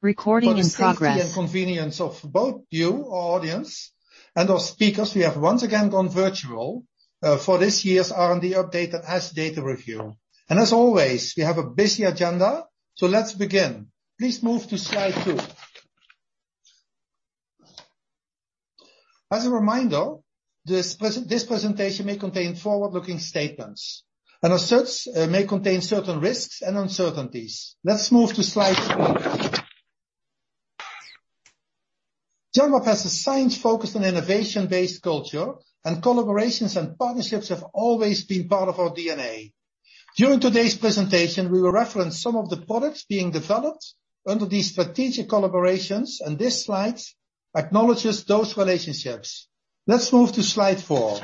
Recording in progress For the safety and convenience of both you, our audience, and our speakers, we have once again gone virtual for this year's R&D update and data review. As always, we have a busy agenda, so let's begin. Please move to slide two. As a reminder, this presentation may contain forward-looking statements and may contain certain risks and uncertainties. Let's move to slide three. Genmab has a science-focused on innovation-based culture, and collaborations and partnerships have always been part of our DNA. During today's presentation, we will reference some of the products being developed under these strategic collaborations, and this slide acknowledges those relationships. Let's move to slide four.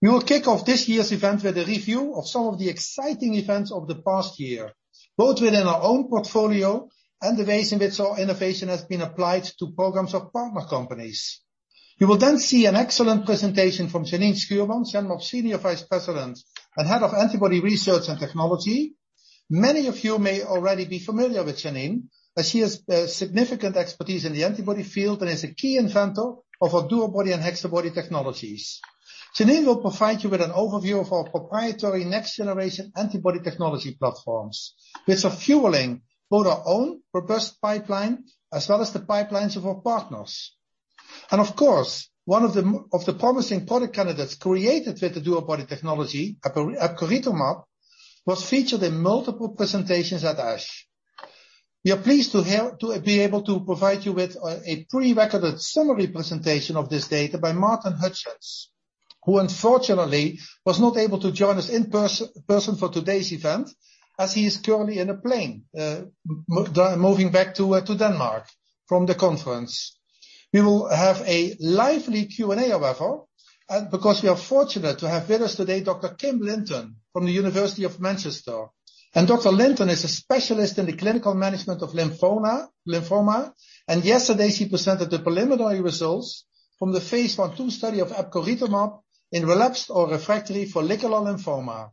We will kick off this year's event with a review of some of the exciting events of the past year, both within our own portfolio and the ways in which our innovation has been applied to programs of partner companies. You will then see an excellent presentation from Janine Schuurman, Genmab Senior Vice President and Head of Antibody Research and Technology. Many of you may already be familiar with Janine, as she has significant expertise in the antibody field and is a key inventor of our DuoBody and HexaBody technologies. Janine will provide you with an overview of our proprietary next generation antibody technology platforms, which are fueling both our own proposed pipeline as well as the pipelines of our partners. Of course, one of the promising product candidates created with the DuoBody technology, epcoritamab, was featured in multiple presentations at ASH. We are pleased to be able to provide you with a prerecorded summary presentation of this data by Martin Hutchings, who unfortunately was not able to join us in person for today's event as he is currently in a plane moving back to Denmark from the conference. We will have a lively Q&A however, and because we are fortunate to have with us today Dr. Kim Linton from the University of Manchester. Dr. Linton is a specialist in the clinical management of lymphoma, and yesterday she presented the preliminary results from the phase I/II study of epcoritamab in relapsed or refractory follicular lymphoma.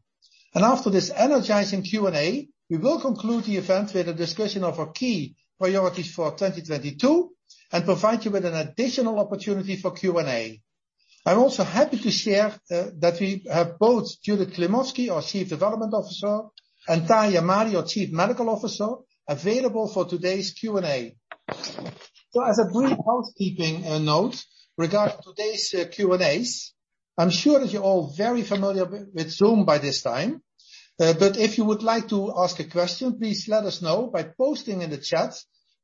After this energizing Q&A, we will conclude the event with a discussion of our key priorities for 2022 and provide you with an additional opportunity for Q&A. I'm also happy to share that we have both Judith Klimovsky, our Chief Development Officer, and Tahamtan Ahmadi, our Chief Medical Officer, available for today's Q&A. As a brief housekeeping note regarding today's Q&As, I'm sure that you're all very familiar with Zoom by this time. If you would like to ask a question, please let us know by posting in the chat,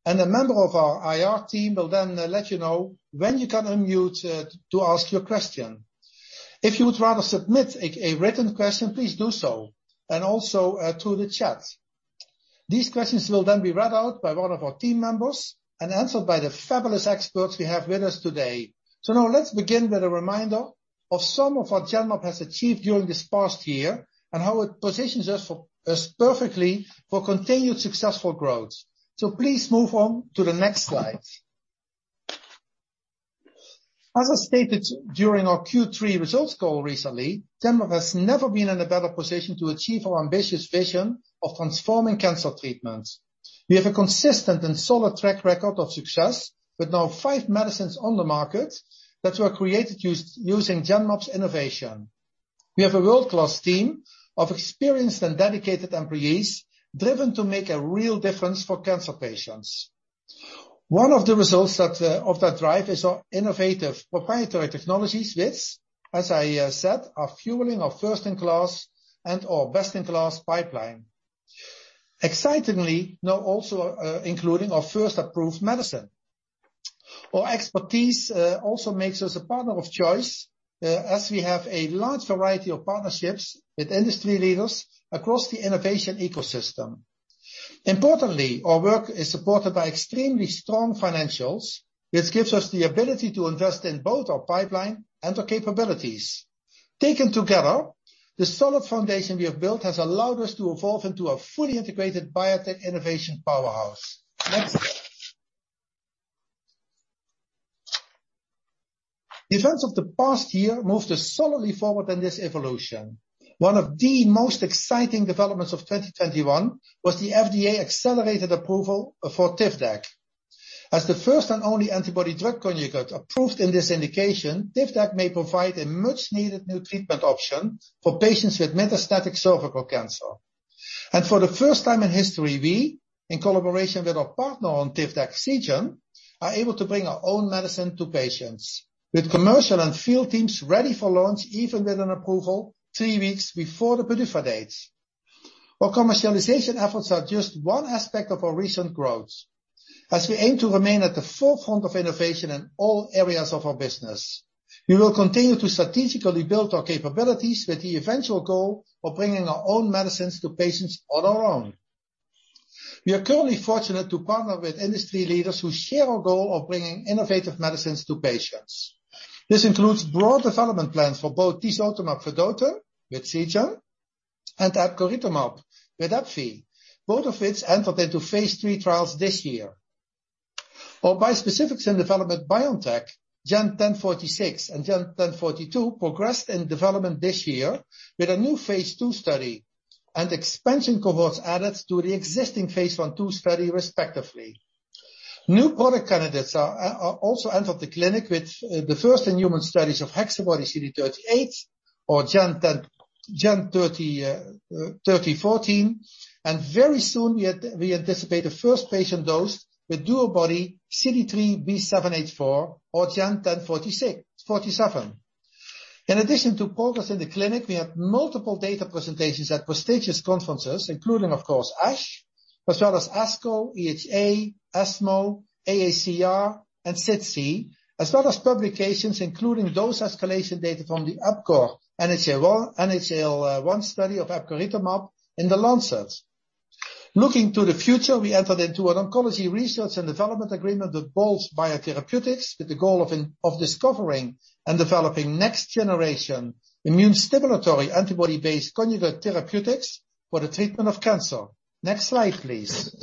and a member of our IR team will then let you know when you can unmute to ask your question. If you would rather submit a written question, please do so, and also to the chat. These questions will then be read out by one of our team members and answered by the fabulous experts we have with us today. Now let's begin with a reminder of some of what Genmab has achieved during this past year and how it positions us perfectly for continued successful growth. Please move on to the next slide. As I stated during our Q3 results call recently, Genmab has never been in a better position to achieve our ambitious vision of transforming cancer treatments. We have a consistent and solid track record of success with now five medicines on the market that were created using Genmab's innovation. We have a world-class team of experienced and dedicated employees driven to make a real difference for cancer patients. One of the results of that drive is our innovative proprietary technologies, which, as I said are fueling our first in class and/or best in class pipeline. Excitingly, now also including our first approved medicine. Our expertise also makes us a partner of choice, as we have a large variety of partnerships with industry leaders across the innovation ecosystem. Importantly, our work is supported by extremely strong financials, which gives us the ability to invest in both our pipeline and our capabilities. Taken together, the solid foundation we have built has allowed us to evolve into a fully integrated biotech innovation powerhouse. Next. The events of the past year moved us solidly forward in this evolution. One of the most exciting developments of 2021 was the FDA accelerated approval for TIVDAK. As the first and only antibody-drug conjugate approved in this indication, TIVDAK may provide a much needed new treatment option for patients with metastatic cervical cancer. For the first time in history, we, in collaboration with our partner on TIVDAK, Seagen, are able to bring our own medicine to patients. With commercial and field teams ready for launch even with an approval three weeks before the PDUFA dates. Our commercialization efforts are just one aspect of our recent growth as we aim to remain at the forefront of innovation in all areas of our business. We will continue to strategically build our capabilities with the eventual goal of bringing our own medicines to patients on our own. We are currently fortunate to partner with industry leaders who share our goal of bringing innovative medicines to patients. This includes broad development plans for both tisotumab vedotin with Seagen and epcoritamab with AbbVie, both of which entered into phase III trials this year. For bispecifics in development biotech, GEN1046 and GEN1042 progressed in development this year with a new phase II study and expansion cohorts added to the existing phase I/II study respectively. New product candidates are also entered the clinic with the first-in-human studies of HexaBody-CD38 or GEN3014 and very soon we anticipate the first patient dose with DuoBody-CD3xB7H4 or GEN1047. In addition to progress in the clinic, we have multiple data presentations at prestigious conferences including, of course, ASH, as well as ASCO, EHA, ESMO, AACR, and SITC, as well as publications including dose escalation data from the EPCORE NHL-1 study of epcoritamab in The Lancet. Looking to the future, we entered into an oncology research and development agreement with Bolt Biotherapeutics, with the goal of discovering and developing next generation immune stimulatory antibody-based conjugate therapeutics for the treatment of cancer. Next slide, please.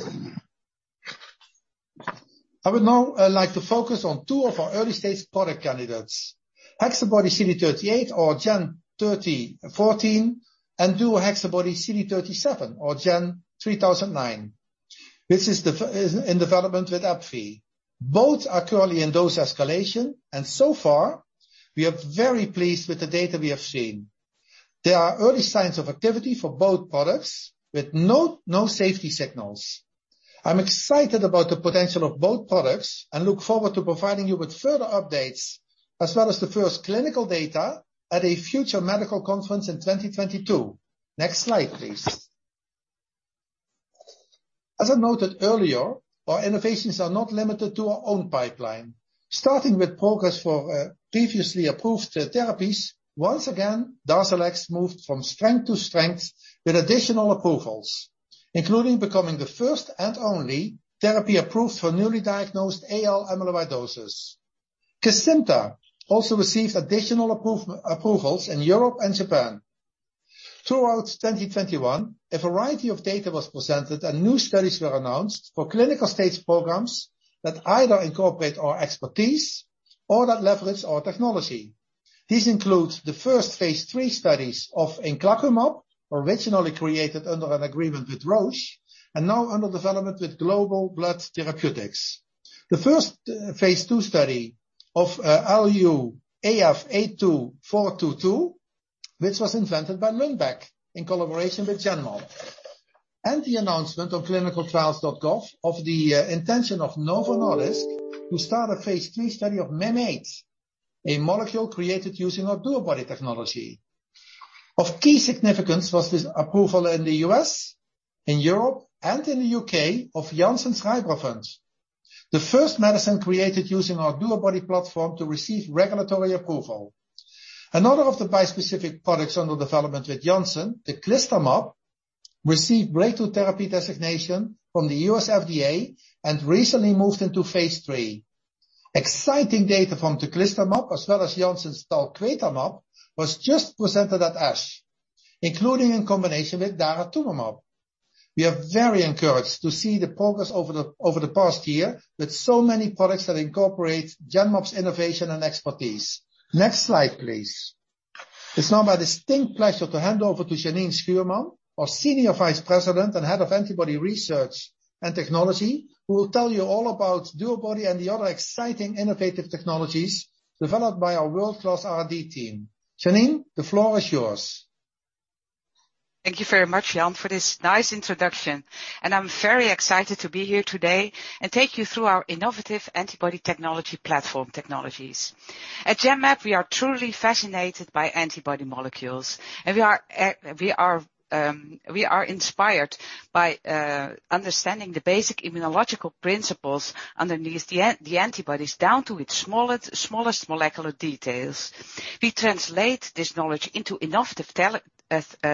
I would now like to focus on two of our early-stage product candidates. HexaBody-CD38 or GEN3014, and DuoHexaBody-CD37 or GEN3009. This is in development with AbbVie. Both are currently in dose escalation, and so far we are very pleased with the data we have seen. There are early signs of activity for both products with no safety signals. I'm excited about the potential of both products and look forward to providing you with further updates as well as the first clinical data at a future medical conference in 2022. Next slide, please. As I noted earlier, our innovations are not limited to our own pipeline. Starting with progress for previously approved therapies, once again, DARZALEX moved from strength to strength with additional approvals, including becoming the first and only therapy approved for newly diagnosed AL amyloidosis. Kesimpta also received additional approvals in Europe and Japan. Throughout 2021, a variety of data was presented and new studies were announced for clinical-stage programs that either incorporate our expertise or that leverage our technology. These include the first phase III studies of inclacumab, originally created under an agreement with Roche, and now under development with Global Blood Therapeutics. The first phase II study of Lu AF82422, which was invented by Lundbeck in collaboration with Genmab. The announcement on clinicaltrials.gov of the intention of Novo Nordisk to start a phase III study of Mim8, a molecule created using our DuoBody technology. Of key significance was this approval in the U.S., in Europe, and in the U.K. of Janssen's RYBREVANT. The first medicine created using our DuoBody platform to receive regulatory approval. Another of the bispecific products under development with Janssen, Teclistamab, received breakthrough therapy designation from the U.S. FDA and recently moved into phase III. Exciting data from Teclistamab as well as Janssen's Talquetamab was just presented at ASH, including in combination with Daratumumab. We are very encouraged to see the progress over the past year with so many products that incorporate Genmab's innovation and expertise. Next slide, please. It's now my distinct pleasure to hand over to Janine Schuurman, our Senior Vice President and Head of Antibody Research and Technology, who will tell you all about DuoBody and the other exciting innovative technologies developed by our world-class R&D team. Janine, the floor is yours. Thank you very much, Jan, for this nice introduction, and I'm very excited to be here today and take you through our innovative antibody technology platform technologies. At Genmab, we are truly fascinated by antibody molecules, and we are inspired by understanding the basic immunological principles underneath the antibodies down to its smallest molecular details. We translate this knowledge into innovative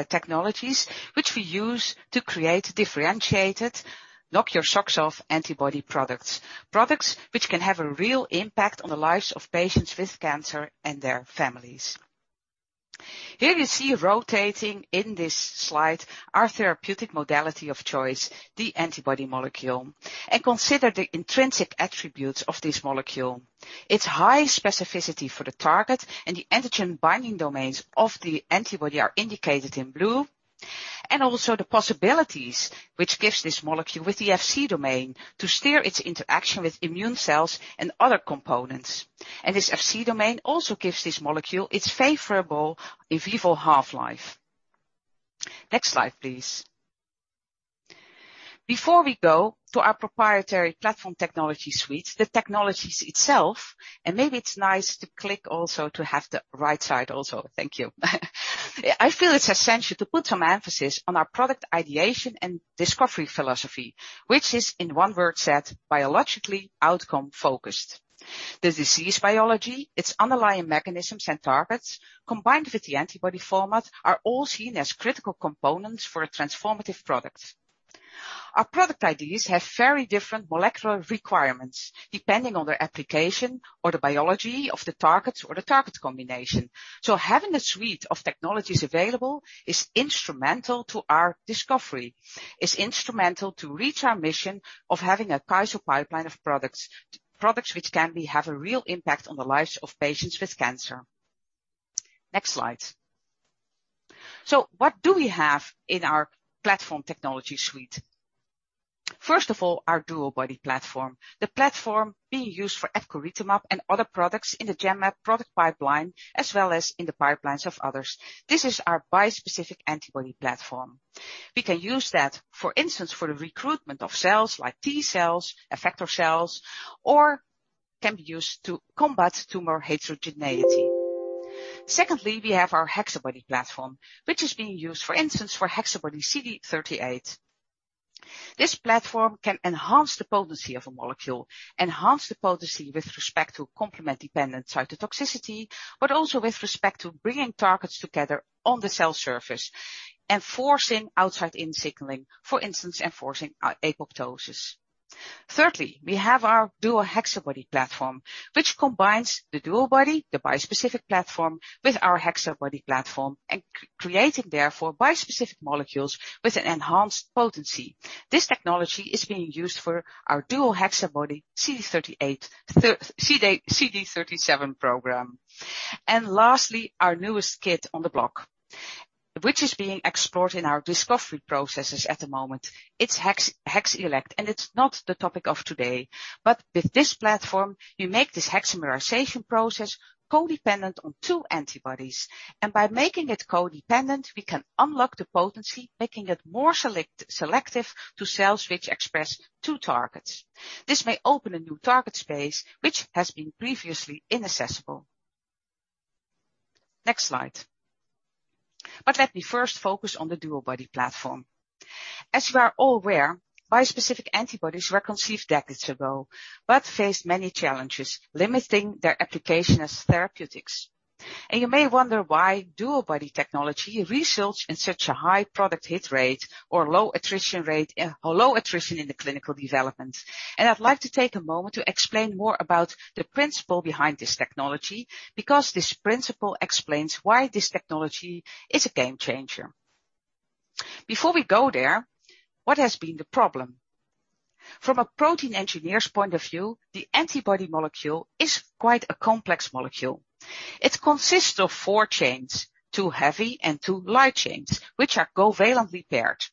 technologies which we use to create differentiated, knock your socks off antibody products. Products which can have a real impact on the lives of patients with cancer and their families. Here you see rotating in this slide our therapeutic modality of choice, the antibody molecule, and consider the intrinsic attributes of this molecule. Its high specificity for the target and the antigen binding domains of the antibody are indicated in blue, and also the possibilities which gives this molecule with the Fc domain to steer its interaction with immune cells and other components. This Fc domain also gives this molecule its favorable in vivo half-life. Next slide, please. Before we go to our proprietary platform technology suites, the technologies itself, and maybe it's nice to click also to have the right side also. Thank you. I feel it's essential to put some emphasis on our product ideation and discovery philosophy, which is in one word set, biologically outcome-focused. The disease biology, its underlying mechanisms and targets, combined with the antibody format, are all seen as critical components for a transformative product. Our product ideas have very different molecular requirements depending on their application or the biology of the target or the target combination. Having a suite of technologies available is instrumental to our discovery, is instrumental to reach our mission of having a killer pipeline of products. Products which can have a real impact on the lives of patients with cancer. Next slide. What do we have in our platform technology suite? First of all, our DuoBody platform, the platform being used for epcoritamab and other products in the Genmab product pipeline, as well as in the pipelines of others. This is our bispecific antibody platform. We can use that, for instance, for the recruitment of cells like T-cells, effector cells, or can be used to combat tumor heterogeneity. Secondly, we have our HexaBody platform, which is being used, for instance, for HexaBody-CD38. This platform can enhance the potency of a molecule, enhance the potency with respect to complement-dependent cytotoxicity, but also with respect to bringing targets together on the cell surface and forcing outside-in signaling, for instance, enforcing apoptosis. Thirdly, we have our DuoHexaBody platform, which combines the DuoBody, the bispecific platform, with our HexaBody platform and creating therefore bispecific molecules with an enhanced potency. This technology is being used for our DuoHexaBody-CD37 program. Lastly, our newest kid on the block, which is being explored in our discovery processes at the moment, it's HexElect, and it's not the topic of today. With this platform, you make this hexamerization process codependent on two antibodies. By making it codependent, we can unlock the potency, making it more selective to cells which express two targets. This may open a new target space, which has been previously inaccessible. Next slide. Let me first focus on the DuoBody platform. As we are all aware, bispecific antibodies were conceived decades ago, but faced many challenges limiting their application as therapeutics. You may wonder why DuoBody technology results in such a high product hit rate or low attrition rate, or low attrition in the clinical development. I'd like to take a moment to explain more about the principle behind this technology, because this principle explains why this technology is a game changer. Before we go there, what has been the problem? From a protein engineer's point of view, the antibody molecule is quite a complex molecule. It consists of four chains, two heavy and two light chains, which are covalently paired.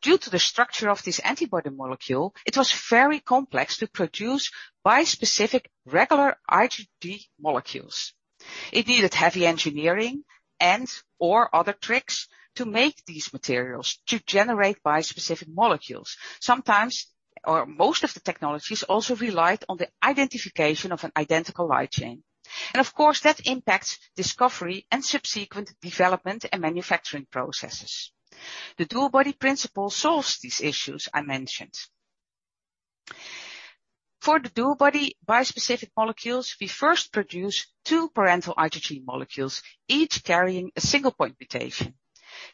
Due to the structure of this antibody molecule, it was very complex to produce bispecific regular IgG molecules. It needed heavy engineering and/or other tricks to make these materials, to generate bispecific molecules. Sometimes, or most of the technologies also relied on the identification of an identical light chain. Of course, that impacts discovery and subsequent development and manufacturing processes. The DuoBody principle solves these issues I mentioned. For the DuoBody bispecific molecules, we first produce two parental IgG molecules, each carrying a single point mutation.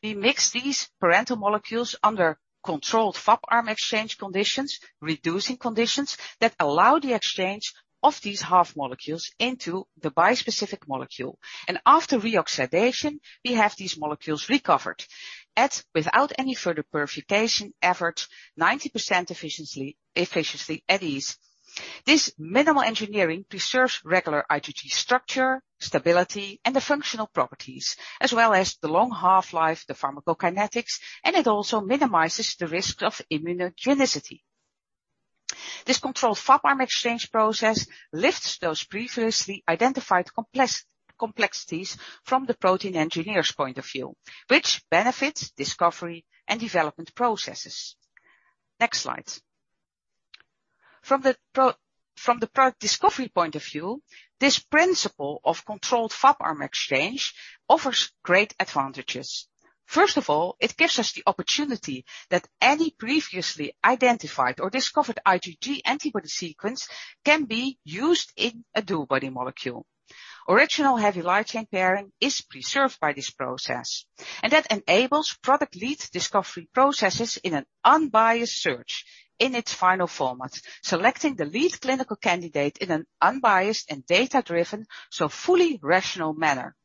We mix these parental molecules under controlled Fab arm exchange conditions, reducing conditions that allow the exchange of these half molecules into the bispecific molecule. After reoxidation, we have these molecules recovered at, without any further purification efforts, 90% efficiency at ease. This minimal engineering preserves regular IgG structure, stability, and the functional properties, as well as the long half-life, the pharmacokinetics, and it also minimizes the risk of immunogenicity. This controlled Fab-arm exchange process lifts those previously identified complexities from the protein engineer's point of view, which benefits discovery and development processes. Next slide. From the product discovery point of view, this principle of controlled Fab-arm exchange offers great advantages. First of all, it gives us the opportunity that any previously identified or discovered IgG antibody sequence can be used in a DuoBody molecule. Original heavy light chain pairing is preserved by this process, and that enables product lead discovery processes in an unbiased search in its final format, selecting the lead clinical candidate in an unbiased and data-driven, so fully rational manner.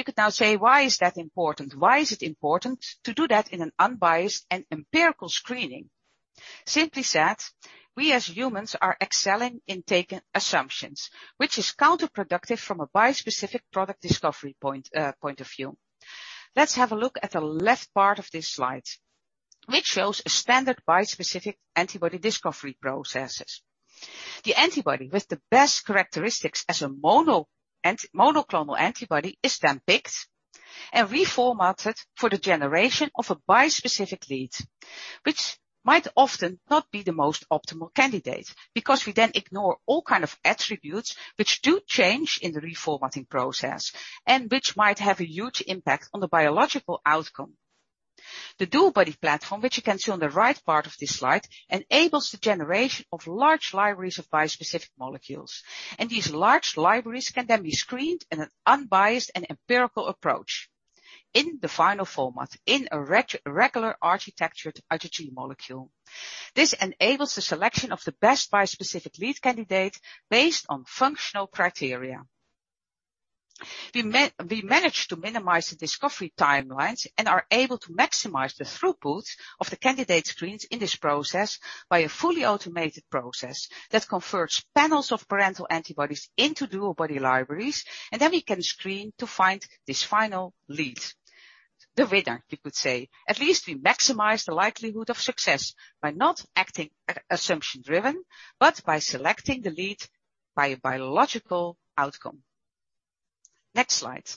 You could now say, why is that important? Why is it important to do that in an unbiased and empirical screening? Simply said, we as humans are excelling in taking assumptions, which is counterproductive from a bispecific product discovery point of view. Let's have a look at the left part of this slide, which shows a standard bispecific antibody discovery processes. The antibody with the best characteristics as a monoclonal antibody is then picked and reformatted for the generation of a bispecific lead, which might often not be the most optimal candidate because we then ignore all kind of attributes which do change in the reformatting process and which might have a huge impact on the biological outcome. The DuoBody platform, which you can see on the right part of this slide, enables the generation of large libraries of bispecific molecules, and these large libraries can then be screened in an unbiased and empirical approach in the final format, in a regular architectured IgG molecule. This enables the selection of the best bispecific lead candidate based on functional criteria. We managed to minimize the discovery timelines and are able to maximize the throughput of the candidate screens in this process by a fully automated process that converts panels of parental antibodies into DuoBody libraries, and then we can screen to find this final lead. The winner, you could say. At least we maximize the likelihood of success by not acting assumption driven, but by selecting the lead by a biological outcome. Next slide.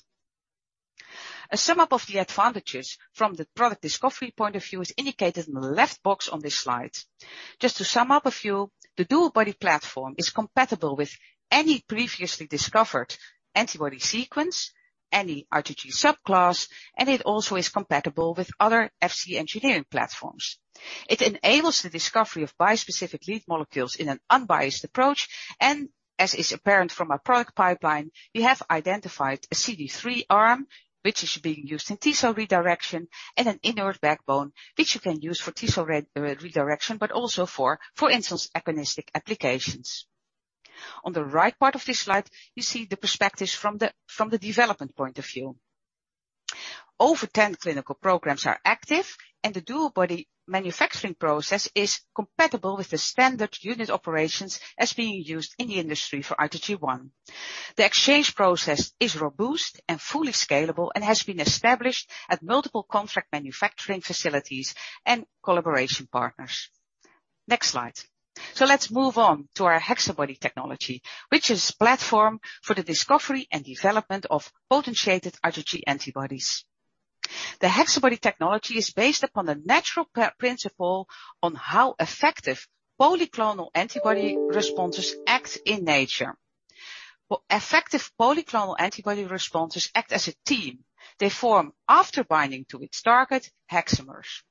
A sum up of the advantages from the product discovery point of view is indicated in the left box on this slide. Just to sum up a few, the DuoBody platform is compatible with any previously discovered antibody sequence, any IgG subclass, and it also is compatible with other Fc engineering platforms. It enables the discovery of bispecific lead molecules in an unbiased approach, and as is apparent from our product pipeline, we have identified a CD3 arm, which is being used in T-cell redirection and an inert backbone, which you can use for T-cell redirection, but also, for instance, agonistic applications. On the right part of this slide, you see the perspectives from the development point of view. Over 10 clinical programs are active, and the DuoBody manufacturing process is compatible with the standard unit operations as being used in the industry for IgG1. The exchange process is robust and fully scalable and has been established at multiple contract manufacturing facilities and collaboration partners. Next slide. Let's move on to our HexaBody technology, which is platform for the discovery and development of potentiated IgG antibodies. The HexaBody technology is based upon the natural principle on how effective polyclonal antibody responses act in nature. Effective polyclonal antibody responses act as a team. They form after binding to its target hexamers.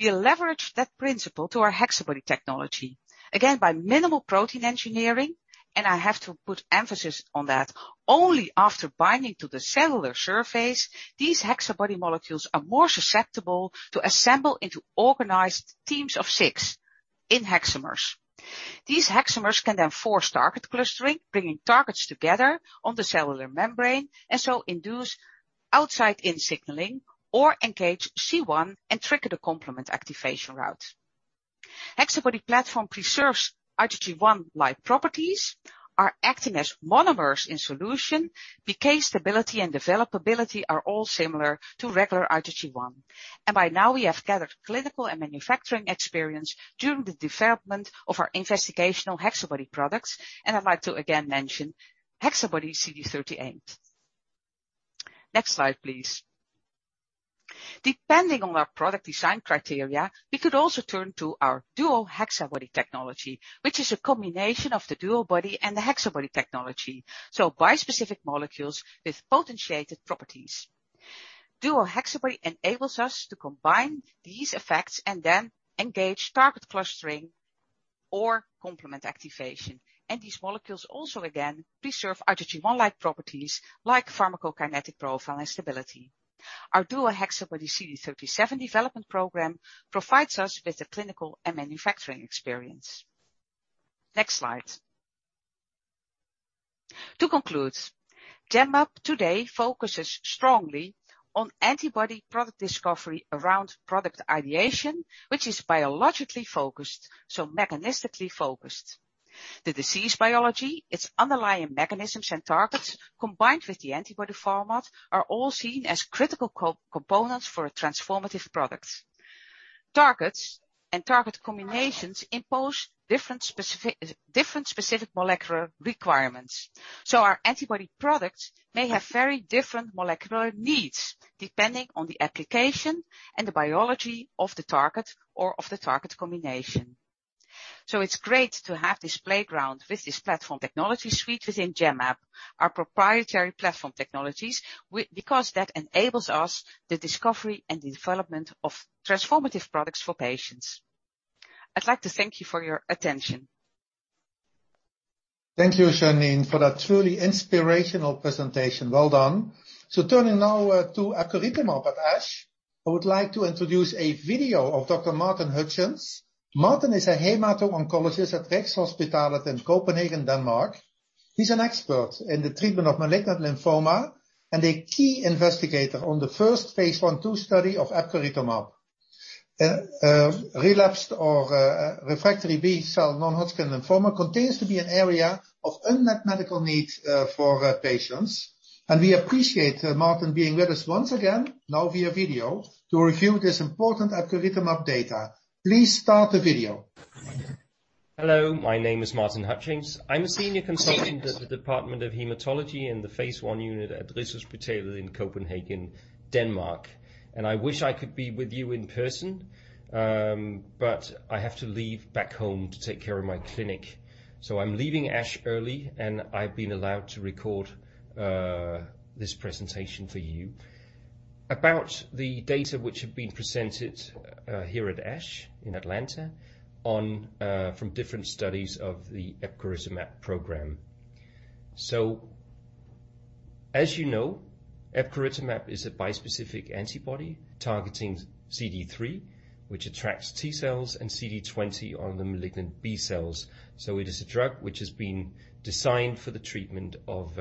We leverage that principle to our HexaBody technology, again by minimal protein engineering, and I have to put emphasis on that. Only after binding to the cellular surface, these HexaBody molecules are more susceptible to assemble into organized teams of six in hexamers. These hexamers can then force target clustering, bringing targets together on the cellular membrane, and so induce outside-in signaling or engage C1 and trigger the complement activation route. HexaBody platform preserves IgG1-like properties, are acting as monomers in solution, decay, stability, and developability are all similar to regular IgG1. By now we have gathered clinical and manufacturing experience during the development of our investigational HexaBody products, and I'd like to again mention HexaBody-CD38. Next slide, please. Depending on our product design criteria, we could also turn to our DuoHexaBody technology, which is a combination of the DuoBody and the HexaBody technology. Bispecific molecules with potentiated properties. DuoHexaBody enables us to combine these effects and then engage target clustering or complement activation. These molecules also again, preserve IgG1-like properties like pharmacokinetic profile and stability. Our DuoHexaBody-CD37 development program provides us with a clinical and manufacturing experience. Next slide. To conclude, Genmab today focuses strongly on antibody product discovery around product ideation, which is biologically focused, so mechanistically focused. The disease biology, its underlying mechanisms and targets, combined with the antibody format, are all seen as critical co-components for a transformative product. Targets and target combinations impose different specific molecular requirements. Our antibody products may have very different molecular needs depending on the application and the biology of the target or of the target combination. It's great to have this playground with this platform technology suite within Genmab, our proprietary platform technologies, because that enables us the discovery and development of transformative products for patients. I'd like to thank you for your attention. Thank you, Janine, for that truly inspirational presentation. Well done. Turning now to epcoritamab at ASH, I would like to introduce a video of Dr. Martin Hutchings. Martin is a hemato-oncologist at Rigshospitalet in Copenhagen, Denmark. He's an expert in the treatment of malignant lymphoma and a key investigator on the first phase I/II study of epcoritamab. Relapsed or refractory B-cell non-Hodgkin lymphoma continues to be an area of unmet medical need for patients. We appreciate Martin being with us once again, now via video, to review this important epcoritamab data. Please start the video. Hello, my name is Martin Hutchings. I'm a senior consultant at the Department of Hematology in the phase I unit at Rigshospitalet in Copenhagen, Denmark. I wish I could be with you in person, but I have to leave back home to take care of my clinic. I'm leaving ASH early, and I've been allowed to record this presentation for you about the data which have been presented here at ASH in Atlanta from different studies of the epcoritamab program. Epcoritamab is a bispecific antibody targeting CD3, which attracts T-cells and CD20 on the malignant B-cells. It is a drug which has been designed for the treatment of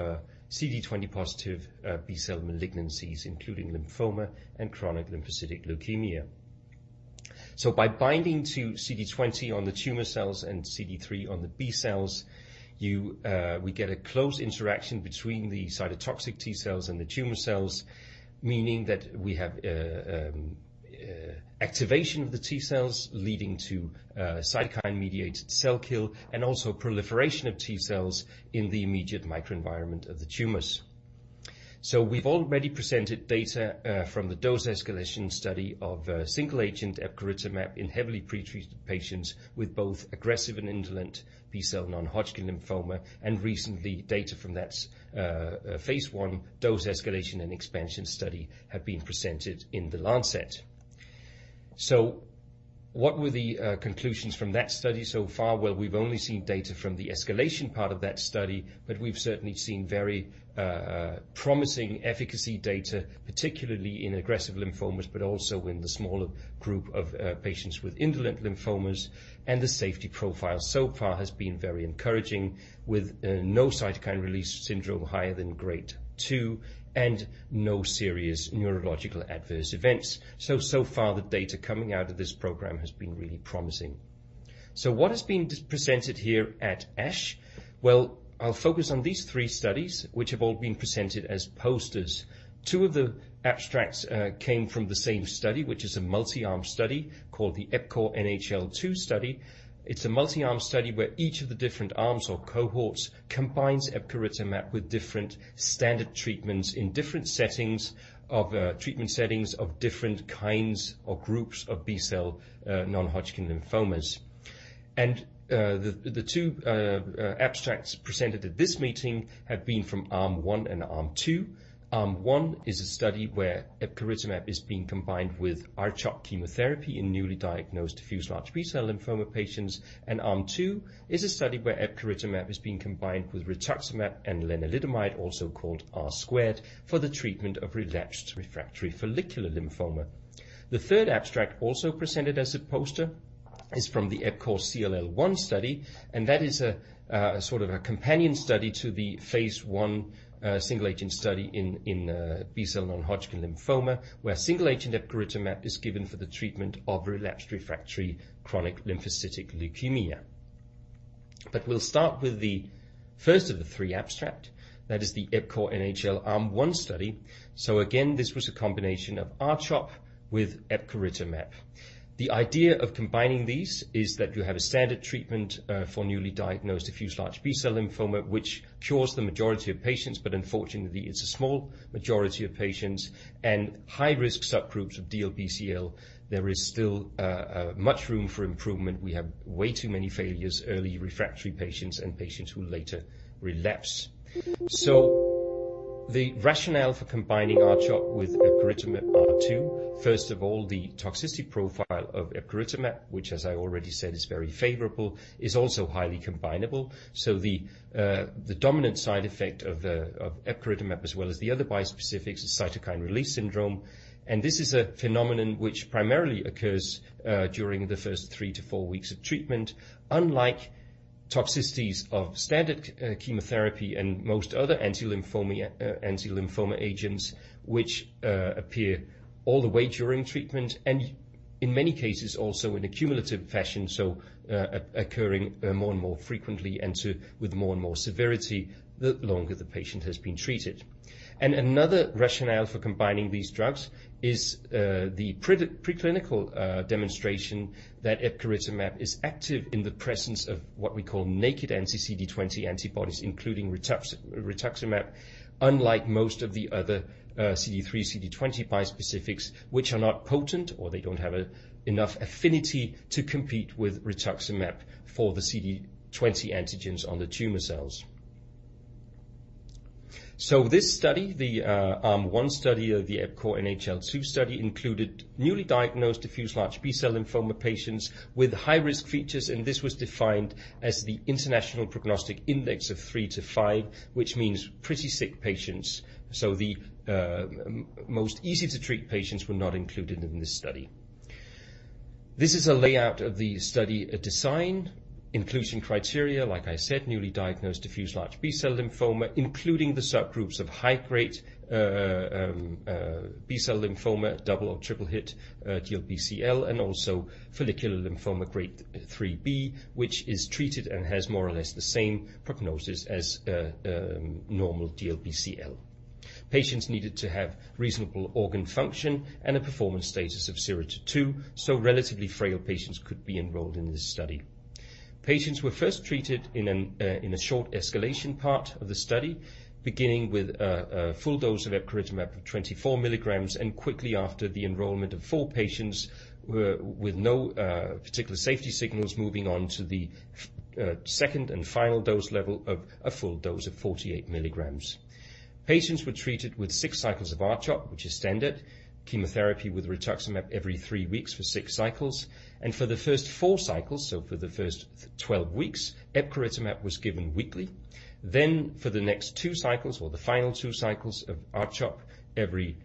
CD20 positive B-cell malignancies, including lymphoma and chronic lymphocytic leukemia. By binding to CD20 on the tumor cells and CD3 on the B-cells, we get a close interaction between the cytotoxic T-cells and the tumor cells, meaning that we have activation of the T-cells leading to cytokine-mediated cell kill and also proliferation of T-cells in the immediate microenvironment of the tumors. We've already presented data from the dose-escalation study of single-agent epcoritamab in heavily pre-treated patients with both aggressive and indolent B-cell non-Hodgkin lymphoma, and recently data from that phase I dose escalation and expansion study have been presented in The Lancet. What were the conclusions from that study so far? Well, we've only seen data from the escalation part of that study, but we've certainly seen very promising efficacy data, particularly in aggressive lymphomas, but also in the smaller group of patients with indolent lymphomas. The safety profile so far has been very encouraging with no cytokine release syndrome higher than grade two and no serious neurological adverse events. So far the data coming out of this program has been really promising. What has been presented here at ASH? Well, I'll focus on these three studies which have all been presented as posters. Two of the abstracts came from the same study, which is a multi-arm study called the EPCORE NHL-2 study. It's a multi-arm study where each of the different arms or cohorts combines epcoritamab with different standard treatments in different settings of treatment settings of different kinds or groups of B-cell non-Hodgkin lymphomas. The two abstracts presented at this meeting have been from arm one and arm two. Arm one is a study where epcoritamab is being combined with R-CHOP chemotherapy in newly diagnosed diffuse large B-cell lymphoma patients. Arm two is a study where epcoritamab is being combined with rituximab and lenalidomide, also called R², for the treatment of relapsed refractory follicular lymphoma. The third abstract also presented as a poster is from the EPCORE CLL-1 study, and that is sort of a companion study to the Phase I single-agent study in B-cell non-Hodgkin lymphoma, where single-agent epcoritamab is given for the treatment of relapsed refractory chronic lymphocytic leukemia. We'll start with the first of the three abstract. That is the EPCORE NHL arm one study. Again, this was a combination of R-CHOP with epcoritamab. The idea of combining these is that you have a standard treatment for newly diagnosed diffuse large B-cell lymphoma, which cures the majority of patients, but unfortunately it's a small majority of patients and high-risk subgroups of DLBCL there is still much room for improvement. We have way too many failures, early refractory patients and patients who later relapse. The rationale for combining R-CHOP with epcoritamab are two. First of all, the toxicity profile of epcoritamab, which as I already said is very favorable, is also highly combinable. The dominant side effect of epcoritamab as well as the other bispecifics is cytokine release syndrome. This is a phenomenon which primarily occurs during the first 3-4 weeks of treatment, unlike toxicities of standard chemotherapy and most other anti-lymphoma agents which appear all the way during treatment and in many cases also in a cumulative fashion, occurring more and more frequently and with more and more severity the longer the patient has been treated. Another rationale for combining these drugs is the preclinical demonstration that epcoritamab is active in the presence of what we call naked anti-CD20 antibodies, including rituximab, unlike most of the other CD3/CD20 bispecifics, which are not potent or they don't have enough affinity to compete with rituximab for the CD20 antigens on the tumor cells. This study, the arm one study of the EPCORE NHL-2 study, included newly diagnosed diffuse large B-cell lymphoma patients with high-risk features, and this was defined as the International Prognostic Index of 3-5, which means pretty sick patients. The most easy to treat patients were not included in this study. This is a layout of the study design. Inclusion criteria, like I said, newly diagnosed diffuse large B-cell lymphoma, including the subgroups of high-grade B-cell lymphoma, double or triple-hit DLBCL, and also follicular lymphoma grade 3B, which is treated and has more or less the same prognosis as normal DLBCL. Patients needed to have reasonable organ function and a performance status of 0-2, so relatively frail patients could be enrolled in this study. Patients were first treated in a short escalation part of the study, beginning with a full dose of epcoritamab of 24 mg, and quickly after the enrollment of four patients were with no particular safety signals moving on to the second and final dose level of a full dose of 48 mg. Patients were treated with six cycles of R-CHOP, which is standard chemotherapy with rituximab every three weeks for six cycles. For the first four cycles, so for the first 12 weeks, epcoritamab was given weekly. For the next two cycles or the final two cycles of R-CHOP every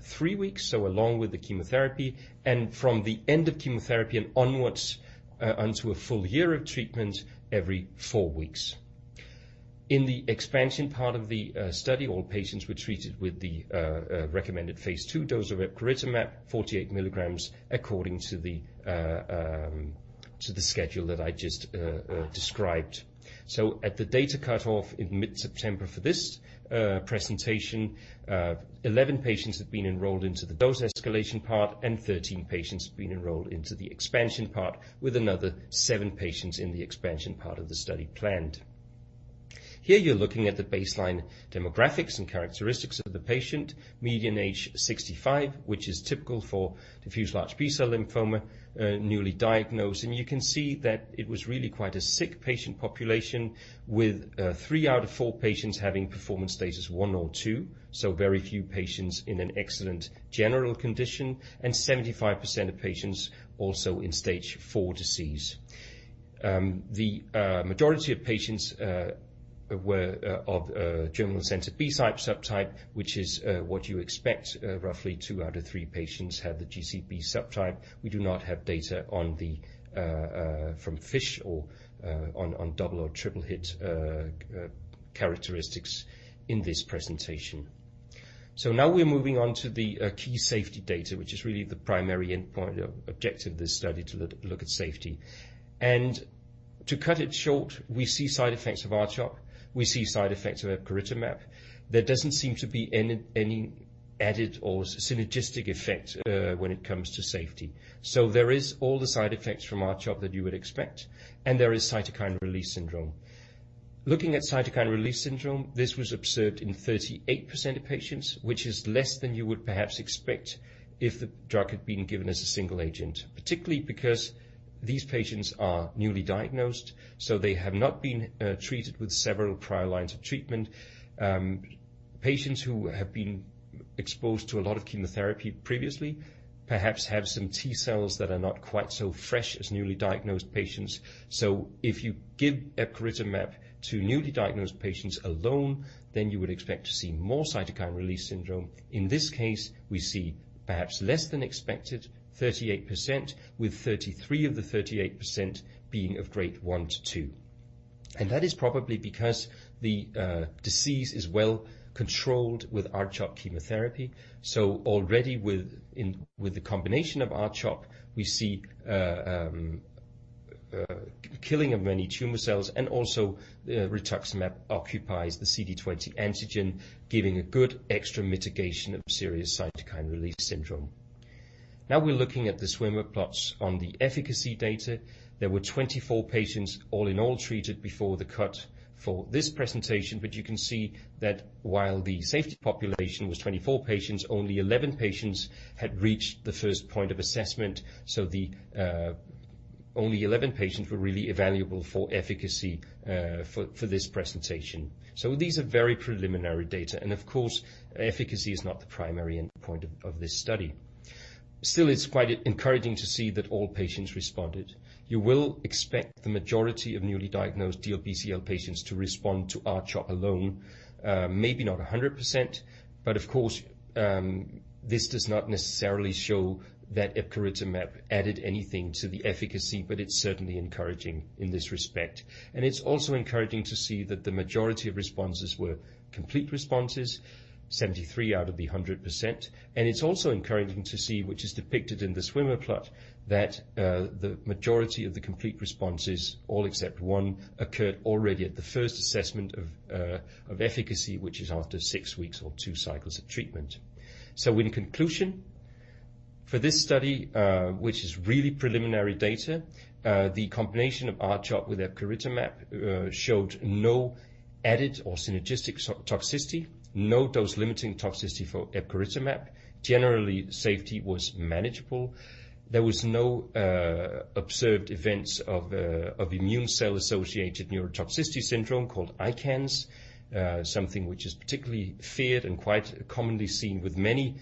three weeks, so along with the chemotherapy and from the end of chemotherapy and onwards until a full year of treatment every four weeks. In the expansion part of the study, all patients were treated with the recommended phase II dose of epcoritamab, 48 milligrams, according to the schedule that I just described. At the data cutoff in mid-September for this presentation, 11 patients have been enrolled into the dose escalation part, and 13 patients have been enrolled into the expansion part, with another 7 patients in the expansion part of the study planned. Here, you're looking at the baseline demographics and characteristics of the patient, median age 65, which is typical for diffuse large B-cell lymphoma, newly diagnosed. You can see that it was really quite a sick patient population with, three out of four patients having performance status one or two, so very few patients in an excellent general condition, and 75% of patients also in stage four disease. The majority of patients were of germinal center B subtype, which is what you expect. Roughly two out of three patients have the GCB subtype. We do not have data on the FISH or on double-hit or triple-hit characteristics in this presentation. Now we're moving on to the key safety data, which is really the primary endpoint objective of this study, to look at safety. To cut it short, we see side effects of R-CHOP, we see side effects of epcoritamab. There doesn't seem to be any added or synergistic effect when it comes to safety. There is all the side effects from R-CHOP that you would expect, and there is cytokine release syndrome. Looking at cytokine release syndrome, this was observed in 38% of patients, which is less than you would perhaps expect if the drug had been given as a single agent, particularly because these patients are newly diagnosed, so they have not been treated with several prior lines of treatment. Patients who have been exposed to a lot of chemotherapy previously perhaps have some T-cells that are not quite so fresh as newly diagnosed patients. So if you give epcoritamab to newly diagnosed patients alone, then you would expect to see more cytokine release syndrome. In this case, we see perhaps less than expected, 38%, with 33 of the 38% being of grade 1-2. That is probably because the disease is well controlled with R-CHOP chemotherapy. Already with the combination of R-CHOP, we see killing of many tumor cells. Also rituximab occupies the CD20 antigen, giving a good extra mitigation of serious cytokine release syndrome. Now we're looking at the swimmer plots on the efficacy data. There were 24 patients all in all treated before the cut for this presentation, but you can see that while the safety population was 24 patients, only 11 patients had reached the first point of assessment. The only 11 patients were really evaluable for efficacy for this presentation. These are very preliminary data, and of course, efficacy is not the primary endpoint of this study. It's quite encouraging to see that all patients responded. You will expect the majority of newly diagnosed DLBCL patients to respond to R-CHOP alone, maybe not 100%, but of course, this does not necessarily show that epcoritamab added anything to the efficacy, but it's certainly encouraging in this respect. It's also encouraging to see that the majority of responses were complete responses, 73 out of the 100%. It's also encouraging to see, which is depicted in the swimmer plot, that the majority of the complete responses, all except one, occurred already at the first assessment of efficacy, which is after six weeks or two cycles of treatment. In conclusion, for this study, which is really preliminary data, the combination of R-CHOP with epcoritamab showed no added or synergistic toxicity, no dose-limiting toxicity for epcoritamab. Generally, safety was manageable. There was no observed events of immune cell-associated neurotoxicity syndrome called ICANS, something which is particularly feared and quite commonly seen with many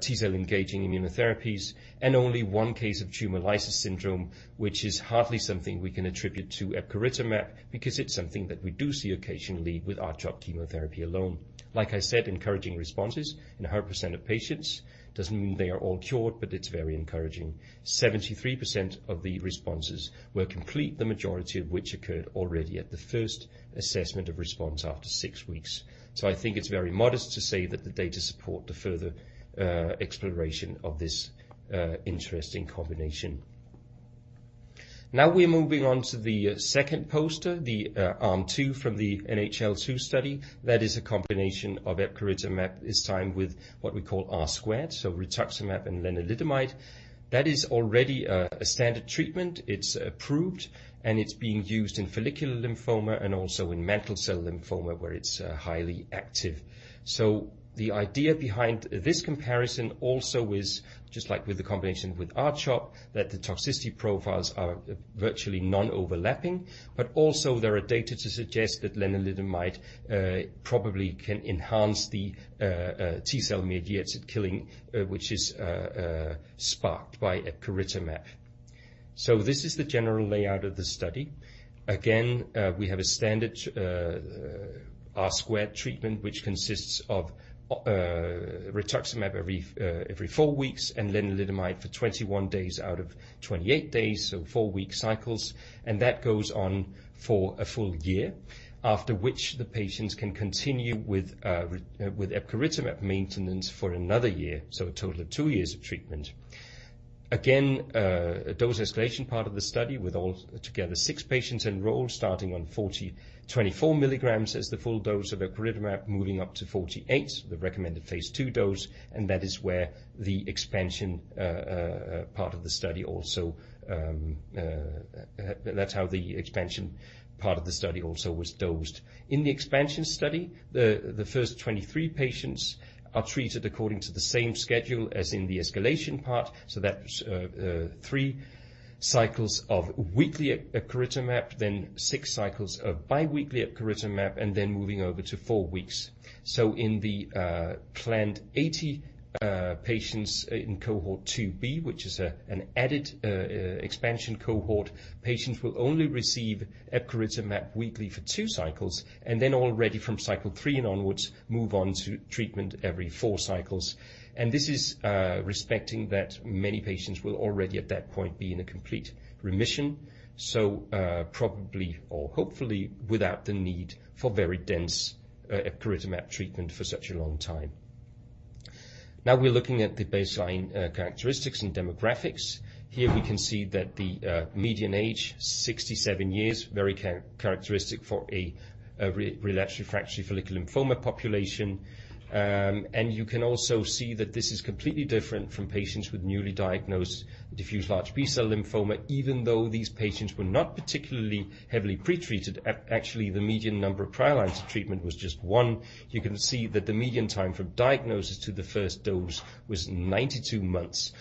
T-cell engaging immunotherapies. Only one case of tumor lysis syndrome, which is hardly something we can attribute to epcoritamab because it's something that we do see occasionally with R-CHOP chemotherapy alone. Like I said, encouraging responses in 100% of patients. Doesn't mean they are all cured, but it's very encouraging. 73% of the responses were complete, the majority of which occurred already at the first assessment of response after six weeks. I think it's very modest to say that the data support the further exploration of this interesting combination. Now we're moving on to the second poster, the arm two from the NHL2 study. That is a combination of epcoritamab, this time with what we call R², so rituximab and lenalidomide. That is already a standard treatment. It's approved, and it's being used in follicular lymphoma and also in mantle cell lymphoma, where it's highly active. The idea behind this comparison also is just like with the combination with R-CHOP, that the toxicity profiles are virtually non-overlapping. Also there are data to suggest that lenalidomide probably can enhance the T-cell-mediated killing, which is sparked by epcoritamab. This is the general layout of the study. Again, we have a standard R² treatment, which consists of rituximab every four weeks and lenalidomide for 21 days out of 28 days, so four-week cycles. That goes on for a full year, after which the patients can continue with epcoritamab maintenance for another year, so a total of two years of treatment. Again, a dose escalation part of the study with altogether six patients enrolled starting on 24 milligrams as the full dose of epcoritamab moving up to 48, the recommended phase II dose, and that is where the expansion part of the study also was dosed. In the expansion study, the first 23 patients are treated according to the same schedule as in the escalation part. That's three cycles of weekly epcoritamab, then six cycles of bi-weekly epcoritamab, and then moving over to four weeks. In the planned 80 patients in cohort 2-B, which is an added expansion cohort, patients will only receive epcoritamab weekly for two cycles, and then already from cycle three and onwards, move on to treatment every four cycles. This is respecting that many patients will already at that point be in a complete remission, so probably or hopefully without the need for very dense epcoritamab treatment for such a long time. Now we're looking at the baseline characteristics and demographics. Here we can see that the median age, 67 years, very characteristic for a relapsed refractory follicular lymphoma population. And you can also see that this is completely different from patients with newly diagnosed diffuse large B-cell lymphoma. Even though these patients were not particularly heavily pretreated, actually, the median number of prior lines of treatment was just one. You can see that the median time from diagnosis to the first dose was 92 months.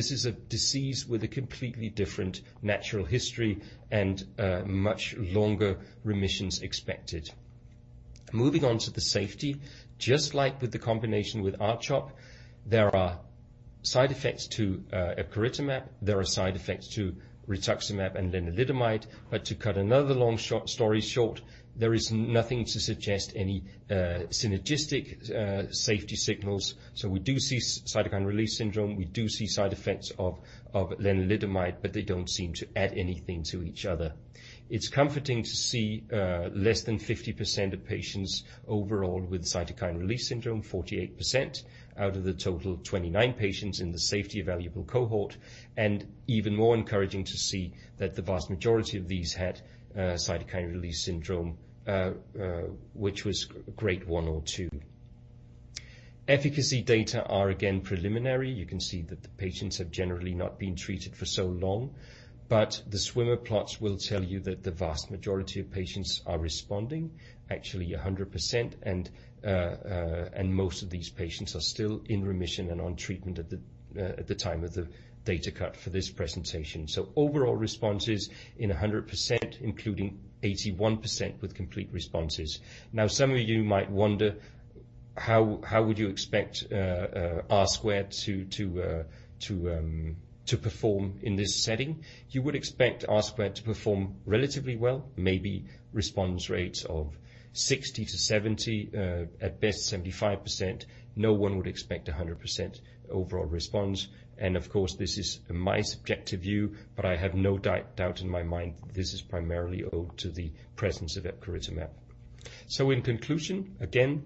This is a disease with a completely different natural history and much longer remissions expected. Moving on to the safety, just like with the combination with R-CHOP, there are side effects to epcoritamab. There are side effects to rituximab and lenalidomide. To cut another long short story short, there is nothing to suggest any synergistic safety signals. We do see cytokine release syndrome. We do see side effects of lenalidomide, but they don't seem to add anything to each other. It's comforting to see less than 50% of patients overall with cytokine release syndrome, 48% out of the total of 29 patients in the safety evaluable cohort. Even more encouraging to see that the vast majority of these had cytokine release syndrome which was grade one or two. Efficacy data are again preliminary. You can see that the patients have generally not been treated for so long, but the swimmer plots will tell you that the vast majority of patients are responding, actually 100%, and most of these patients are still in remission and on treatment at the time of the data cut for this presentation. Overall responses in 100%, including 81% with complete responses. Now some of you might wonder how you would expect R² to perform in this setting. You would expect R² to perform relatively well, maybe response rates of 60-70, at best 75%. No one would expect 100% overall response. Of course, this is my subjective view, but I have no doubt in my mind this is primarily owed to the presence of epcoritamab. In conclusion, again,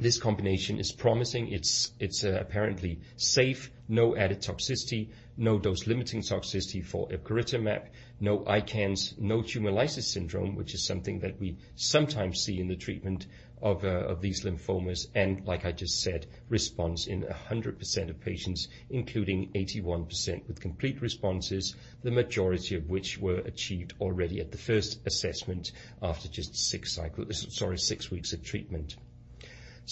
this combination is promising. It's apparently safe, no added toxicity, no dose-limiting toxicity for epcoritamab, no ICANS, no tumor lysis syndrome, which is something that we sometimes see in the treatment of these lymphomas. Like I just said, response in 100% of patients, including 81% with complete responses, the majority of which were achieved already at the first assessment after just six weeks of treatment.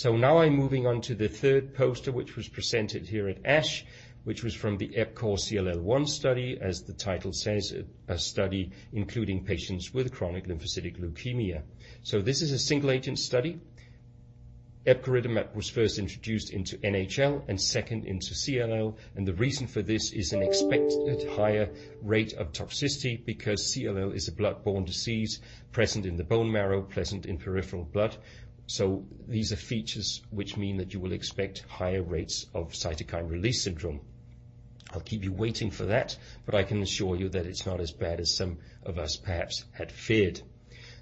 Now I'm moving on to the third poster, which was presented here at ASH, which was from the EPCORE CLL-1 study. As the title says, a study including patients with chronic lymphocytic leukemia. This is a single-agent study. Epcoritamab was first introduced into NHL and second into CLL, and the reason for this is an expected higher rate of toxicity because CLL is a blood-borne disease present in the bone marrow, present in peripheral blood. These are features which mean that you will expect higher rates of cytokine release syndrome. I'll keep you waiting for that, but I can assure you that it's not as bad as some of us perhaps had feared.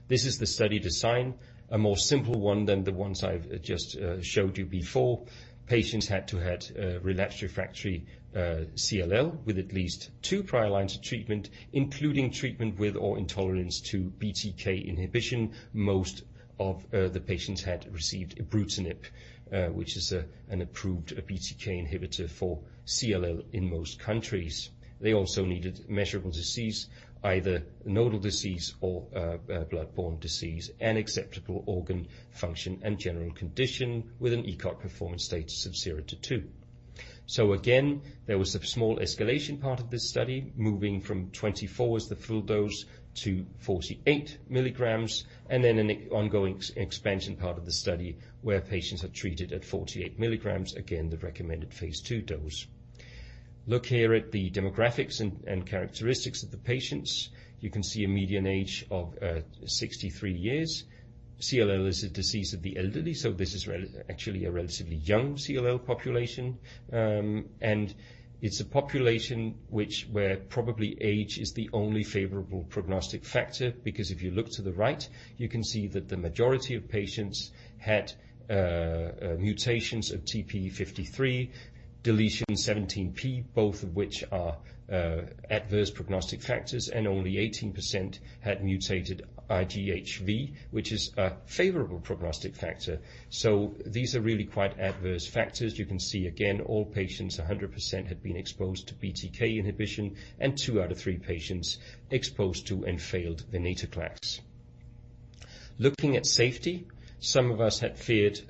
This is the study design, a more simple one than the ones I've just showed you before. Patients had to have relapsed refractory CLL with at least two prior lines of treatment, including treatment with or intolerance to BTK inhibition. Most of the patients had received ibrutinib, which is an approved BTK inhibitor for CLL in most countries. They also needed measurable disease, either nodal disease or blood-borne disease, and acceptable organ function and general condition with an ECOG performance status of 0-2. Again, there was a small escalation part of this study moving from 24 as the full dose to 48 milligrams, and then an ongoing expansion part of the study where patients are treated at 48 milligrams, again, the recommended phase II dose. Look here at the demographics and characteristics of the patients. You can see a median age of 63 years. CLL is a disease of the elderly, so this is actually a relatively young CLL population. And it's a population which where probably age is the only favorable prognostic factor, because if you look to the right, you can see that the majority of patients had mutations of TP53, deletion 17p, both of which are adverse prognostic factors, and only 18% had mutated IGHV, which is a favorable prognostic factor. These are really quite adverse factors. You can see, again, all patients, 100%, had been exposed to BTK inhibition, and two out of three patients exposed to and failed venetoclax. Looking at safety, some of us had feared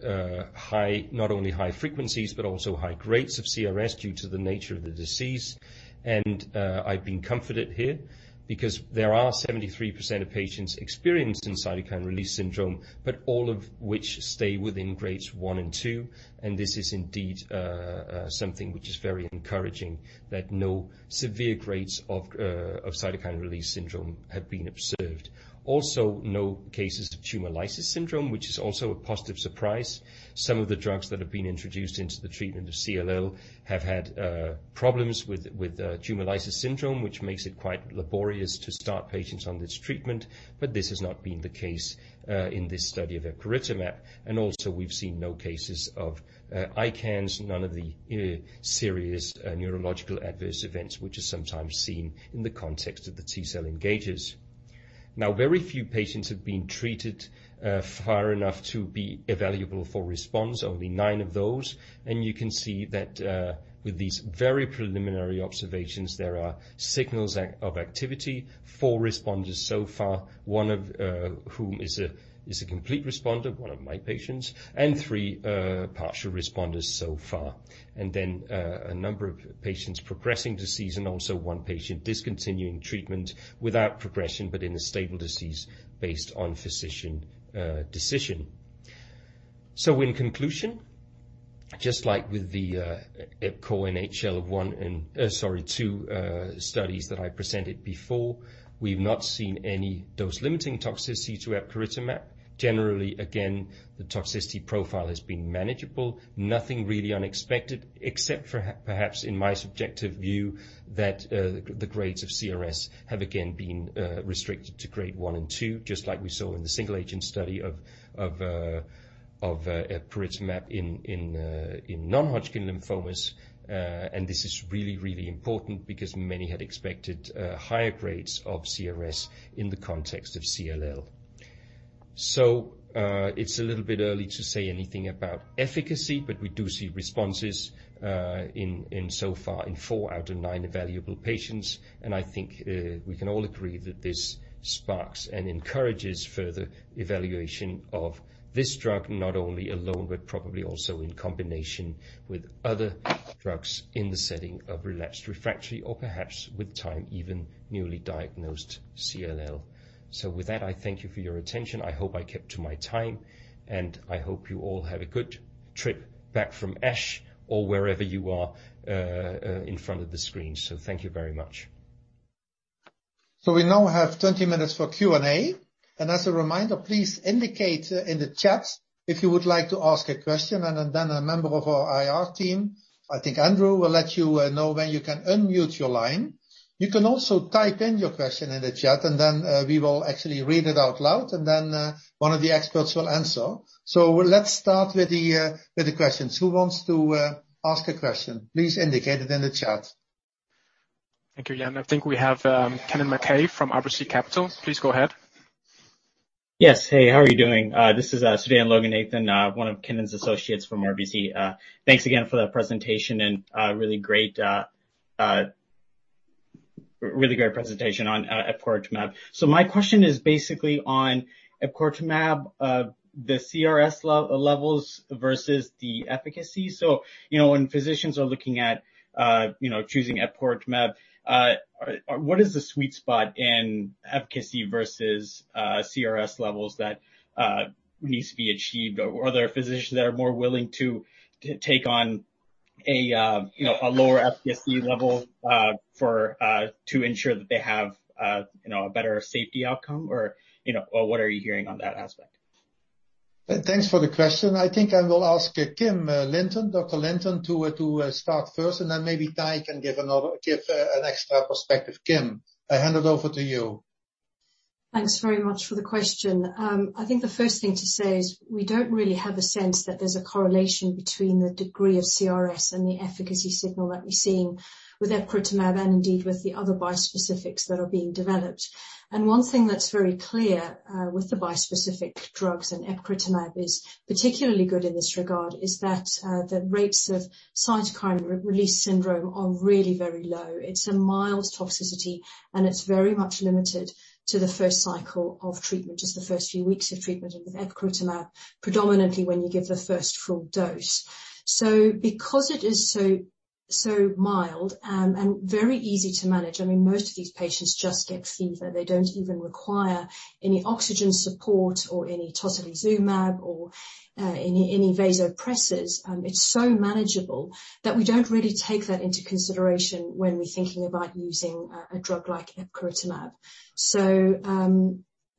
high, not only high frequencies, but also high grades of CRS due to the nature of the disease. I've been comforted here because there are 73% of patients experienced cytokine release syndrome, but all of which stay within grades one and two, and this is indeed something which is very encouraging, that no severe grades of cytokine release syndrome have been observed. Also, no cases of tumor lysis syndrome, which is also a positive surprise. Some of the drugs that have been introduced into the treatment of CLL have had problems with tumor lysis syndrome, which makes it quite laborious to start patients on this treatment. This has not been the case in this study of epcoritamab. Also we've seen no cases of ICANS, none of the serious neurological adverse events which is sometimes seen in the context of the T-cell engagers. Now, very few patients have been treated far enough to be evaluable for response, only nine of those. You can see that with these very preliminary observations, there are signals of activity. Four responders so far, one of whom is a complete responder, one of my patients, and three partial responders so far. Then a number of patients progressing disease and also one patient discontinuing treatment without progression, but in a stable disease based on physician decision. In conclusion, just like with the EPCORE NHL-1 and... Sorry, two studies that I presented before, we've not seen any dose-limiting toxicity to epcoritamab. Generally, again, the toxicity profile has been manageable. Nothing really unexpected, except perhaps in my subjective view, that the grades of CRS have again been restricted to grade one and two, just like we saw in the single agent study of epcoritamab in non-Hodgkin lymphomas. This is really important because many had expected higher grades of CRS in the context of CLL. It's a little bit early to say anything about efficacy, but we do see responses in so far in four out of nine evaluable patients. I think we can all agree that this sparks and encourages further evaluation of this drug, not only alone, but probably also in combination with other drugs in the setting of relapsed, refractory or perhaps with time, even newly diagnosed CLL. With that, I thank you for your attention. I hope I kept to my time, and I hope you all have a good trip back from ASH or wherever you are in front of the screen. Thank you very much. We now have 20 minutes for Q&A. As a reminder, please indicate in the chat if you would like to ask a question and then a member of our IR team, I think Andrew, will let you know when you can unmute your line. You can also type in your question in the chat and then we will actually read it out loud, and then one of the experts will answer. Let's start with the questions. Who wants to ask a question? Please indicate it in the chat. Thank you, Jan. I think we have Kennen MacKay from RBC Capital. Please go ahead. Yes. Hey, how are you doing? This is Sudan Loganathan, one of Kennen's associates from RBC. Thanks again for the really great presentation on epcoritamab. My question is basically on epcoritamab, the CRS levels versus the efficacy. When physicians are looking at, you know, choosing epcoritamab, what is the sweet spot in efficacy versus CRS levels that needs to be achieved? Are there physicians that are more willing to take on a, you know, a lower efficacy level for to ensure that they have, you know, a better safety outcome or, you know, or what are you hearing on that aspect? Thanks for the question. I think I will ask Kim Linton, Dr. Linton to start first, and then maybe Tahi can give an extra perspective. Kim, I hand it over to you. Thanks very much for the question. I think the first thing to say is we don't really have a sense that there's a correlation between the degree of CRS and the efficacy signal that we're seeing with epcoritamab, and indeed with the other bispecifics that are being developed. One thing that's very clear, with the bispecific drugs, and epcoritamab is particularly good in this regard, is that, the rates of cytokine release syndrome are really very low. It's a mild toxicity, and it's very much limited to the first cycle of treatment, just the first few weeks of treatment of epcoritamab, predominantly when you give the first full dose. Because it is so mild and very easy to manage. I mean, most of these patients just get fever. They don't even require any oxygen support or any tocilizumab or any vasopressors. It's so manageable that we don't really take that into consideration when we're thinking about using a drug like epcoritamab.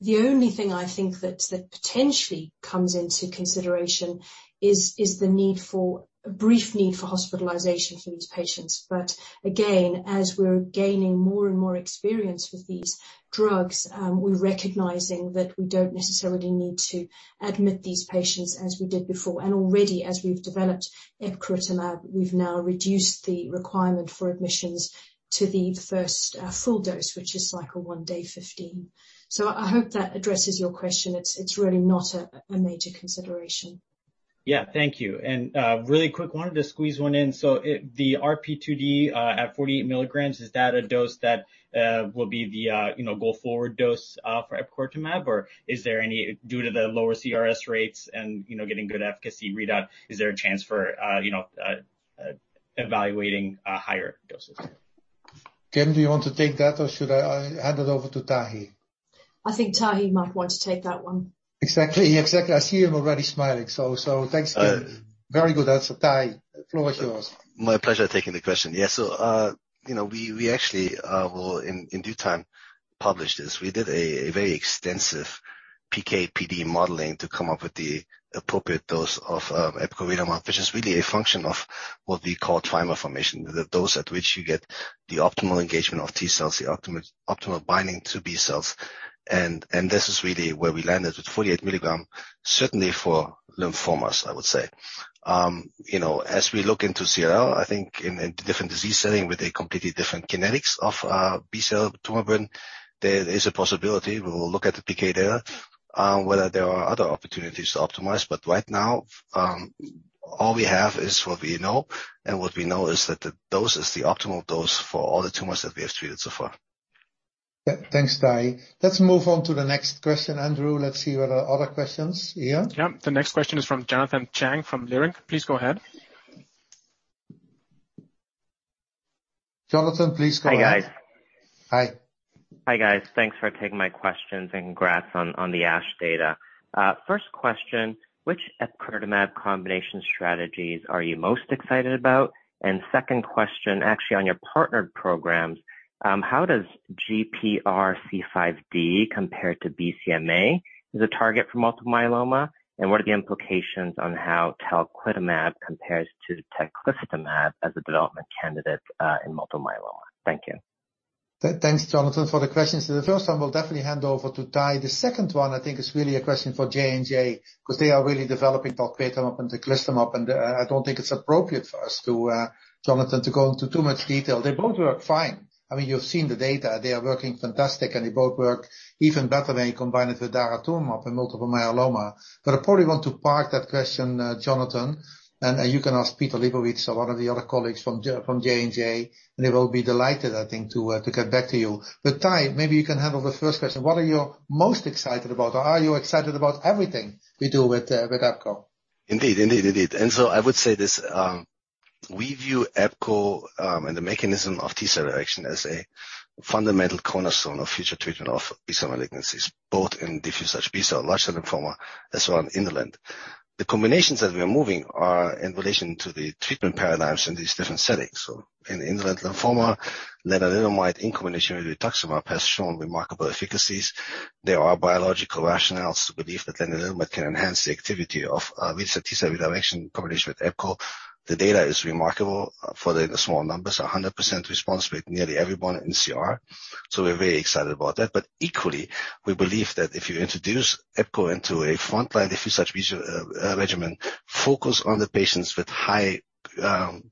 The only thing I think that potentially comes into consideration is the need for a brief need for hospitalization for these patients. But again, as we're gaining more and more experience with these drugs, we're recognizing that we don't necessarily need to admit these patients as we did before. Already, as we've developed epcoritamab, we've now reduced the requirement for admissions to the first full dose, which is cycle one, day 15. I hope that addresses your question. It's really not a major consideration. Yeah. Thank you. really quick, wanted to squeeze one in. The RP2D at 48 milligrams, is that a dose that will be the you know go forward dose for epcoritamab? Or is there any due to the lower CRS rates and you know getting good efficacy readout, is there a chance for you know evaluating higher doses? Kim, do you want to take that, or should I hand it over to Tahi? I think Tahi might want to take that one. Exactly. I see him already smiling. So, thanks, Kim. Hi. Very good answer. Tahi, the floor is yours. My pleasure taking the question. Yeah. We actually will in due time publish this. We did a very extensive PK/PD modeling to come up with the appropriate dose of epcoritamab, which is really a function of what we call time of formation, the dose at which you get the optimal engagement of T-cells, the optimal binding to B-cells. This is really where we landed with 48 mg, certainly for lymphomas, I would say. As we look into CLL, I think in a different disease setting with a completely different kinetics of B-cell tumor burden, there is a possibility we will look at the PK data whether there are other opportunities to optimize. Right now, all we have is what we know, and what we know is that the dose is the optimal dose for all the tumors that we have treated so far. Yeah. Thanks, Tahi. Let's move on to the next question. Andrew, let's see what other questions here. Yeah. The next question is from Jonathan Chang from Leerink Partners. Please go ahead. Jonathan, please go ahead. Hi, guys. Hi. Hi, guys. Thanks for taking my questions, and congrats on the ASH data. First question, which epcoritamab combination strategies are you most excited about? Second question, actually on your partnered programs, how does GPRC5D compare to BCMA as a target for multiple myeloma? What are the implications on how talquetamab compares to teclistamab as a development candidate in multiple myeloma? Thank you. Thanks, Jonathan, for the questions. The first one, we'll definitely hand over to Tahi. The second one, I think it's really a question for J&J, 'cause they are really developing talquetamab and teclistamab. I don't think it's appropriate for us to, Jonathan, to go into too much detail. They both work fine. I mean, you've seen the data. They are working fantastic, and they both work even better when you combine it with daratumumab in multiple myeloma. I probably want to park that question, Jonathan, and you can ask Peter Lebowitz or one of the other colleagues from J&J, and they will be delighted, I think, to get back to you. Tahi, maybe you can handle the first question. What are you most excited about? Or are you excited about everything we do with epcoritamab? Indeed. I would say this, we view Epco and the mechanism of T-cell direction as a fundamental cornerstone of future treatment of B-cell malignancies, both in diffuse large B-cell lymphoma, as well as indolent. The combinations that we are moving are in relation to the treatment paradigms in these different settings. In indolent lymphoma, lenalidomide in combination with rituximab has shown remarkable efficacies. There are biological rationales to believe that lenalidomide can enhance the activity of with the T-cell redirection combination with Epco. The data is remarkable for the small numbers, 100% response with nearly everyone in CR. We're very excited about that. Equally, we believe that if you introduce epcoritamab into a frontline diffuse large B-cell regimen, focus on the patients with high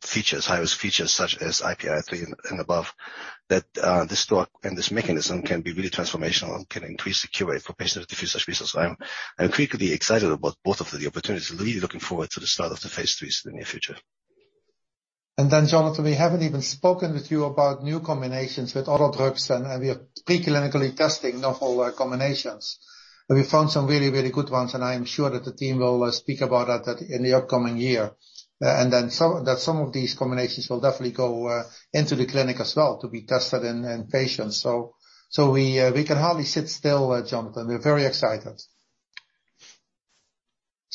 features, highest features such as IPI three and above, that this drug and this mechanism can be really transformational and can increase the cure rate for patients with diffuse large B-cells. I'm equally excited about both of the opportunities. Really looking forward to the start of the phase IIIs in the near future. Jonathan, we haven't even spoken with you about new combinations with other drugs and we are pre-clinically testing novel combinations. We found some really, really good ones, and I am sure that the team will speak about that in the upcoming year. Some of these combinations will definitely go into the clinic as well to be tested in patients. We can hardly sit still, Jonathan. We're very excited.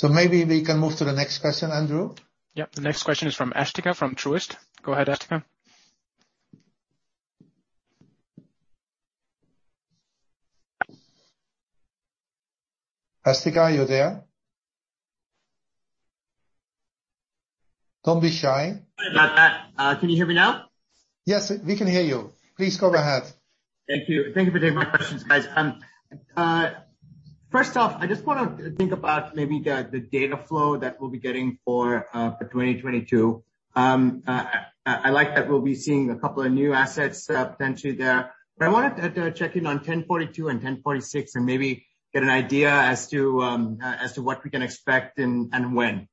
Maybe we can move to the next question, Andrew. Yeah. The next question is from Asthika from Truist. Go ahead, Asthika. Asthika, are you there? Don't be shy. Sorry about that. Can you hear me now? Yes, we can hear you. Please go ahead. Thank you. Thank you for taking my questions, guys. First off, I just wanna think about maybe the data flow that we'll be getting for 2022. I like that we'll be seeing a couple of new assets potentially there. I wanted to check in on GEN1042 and GEN1046 and maybe get an idea as to what we can expect and when.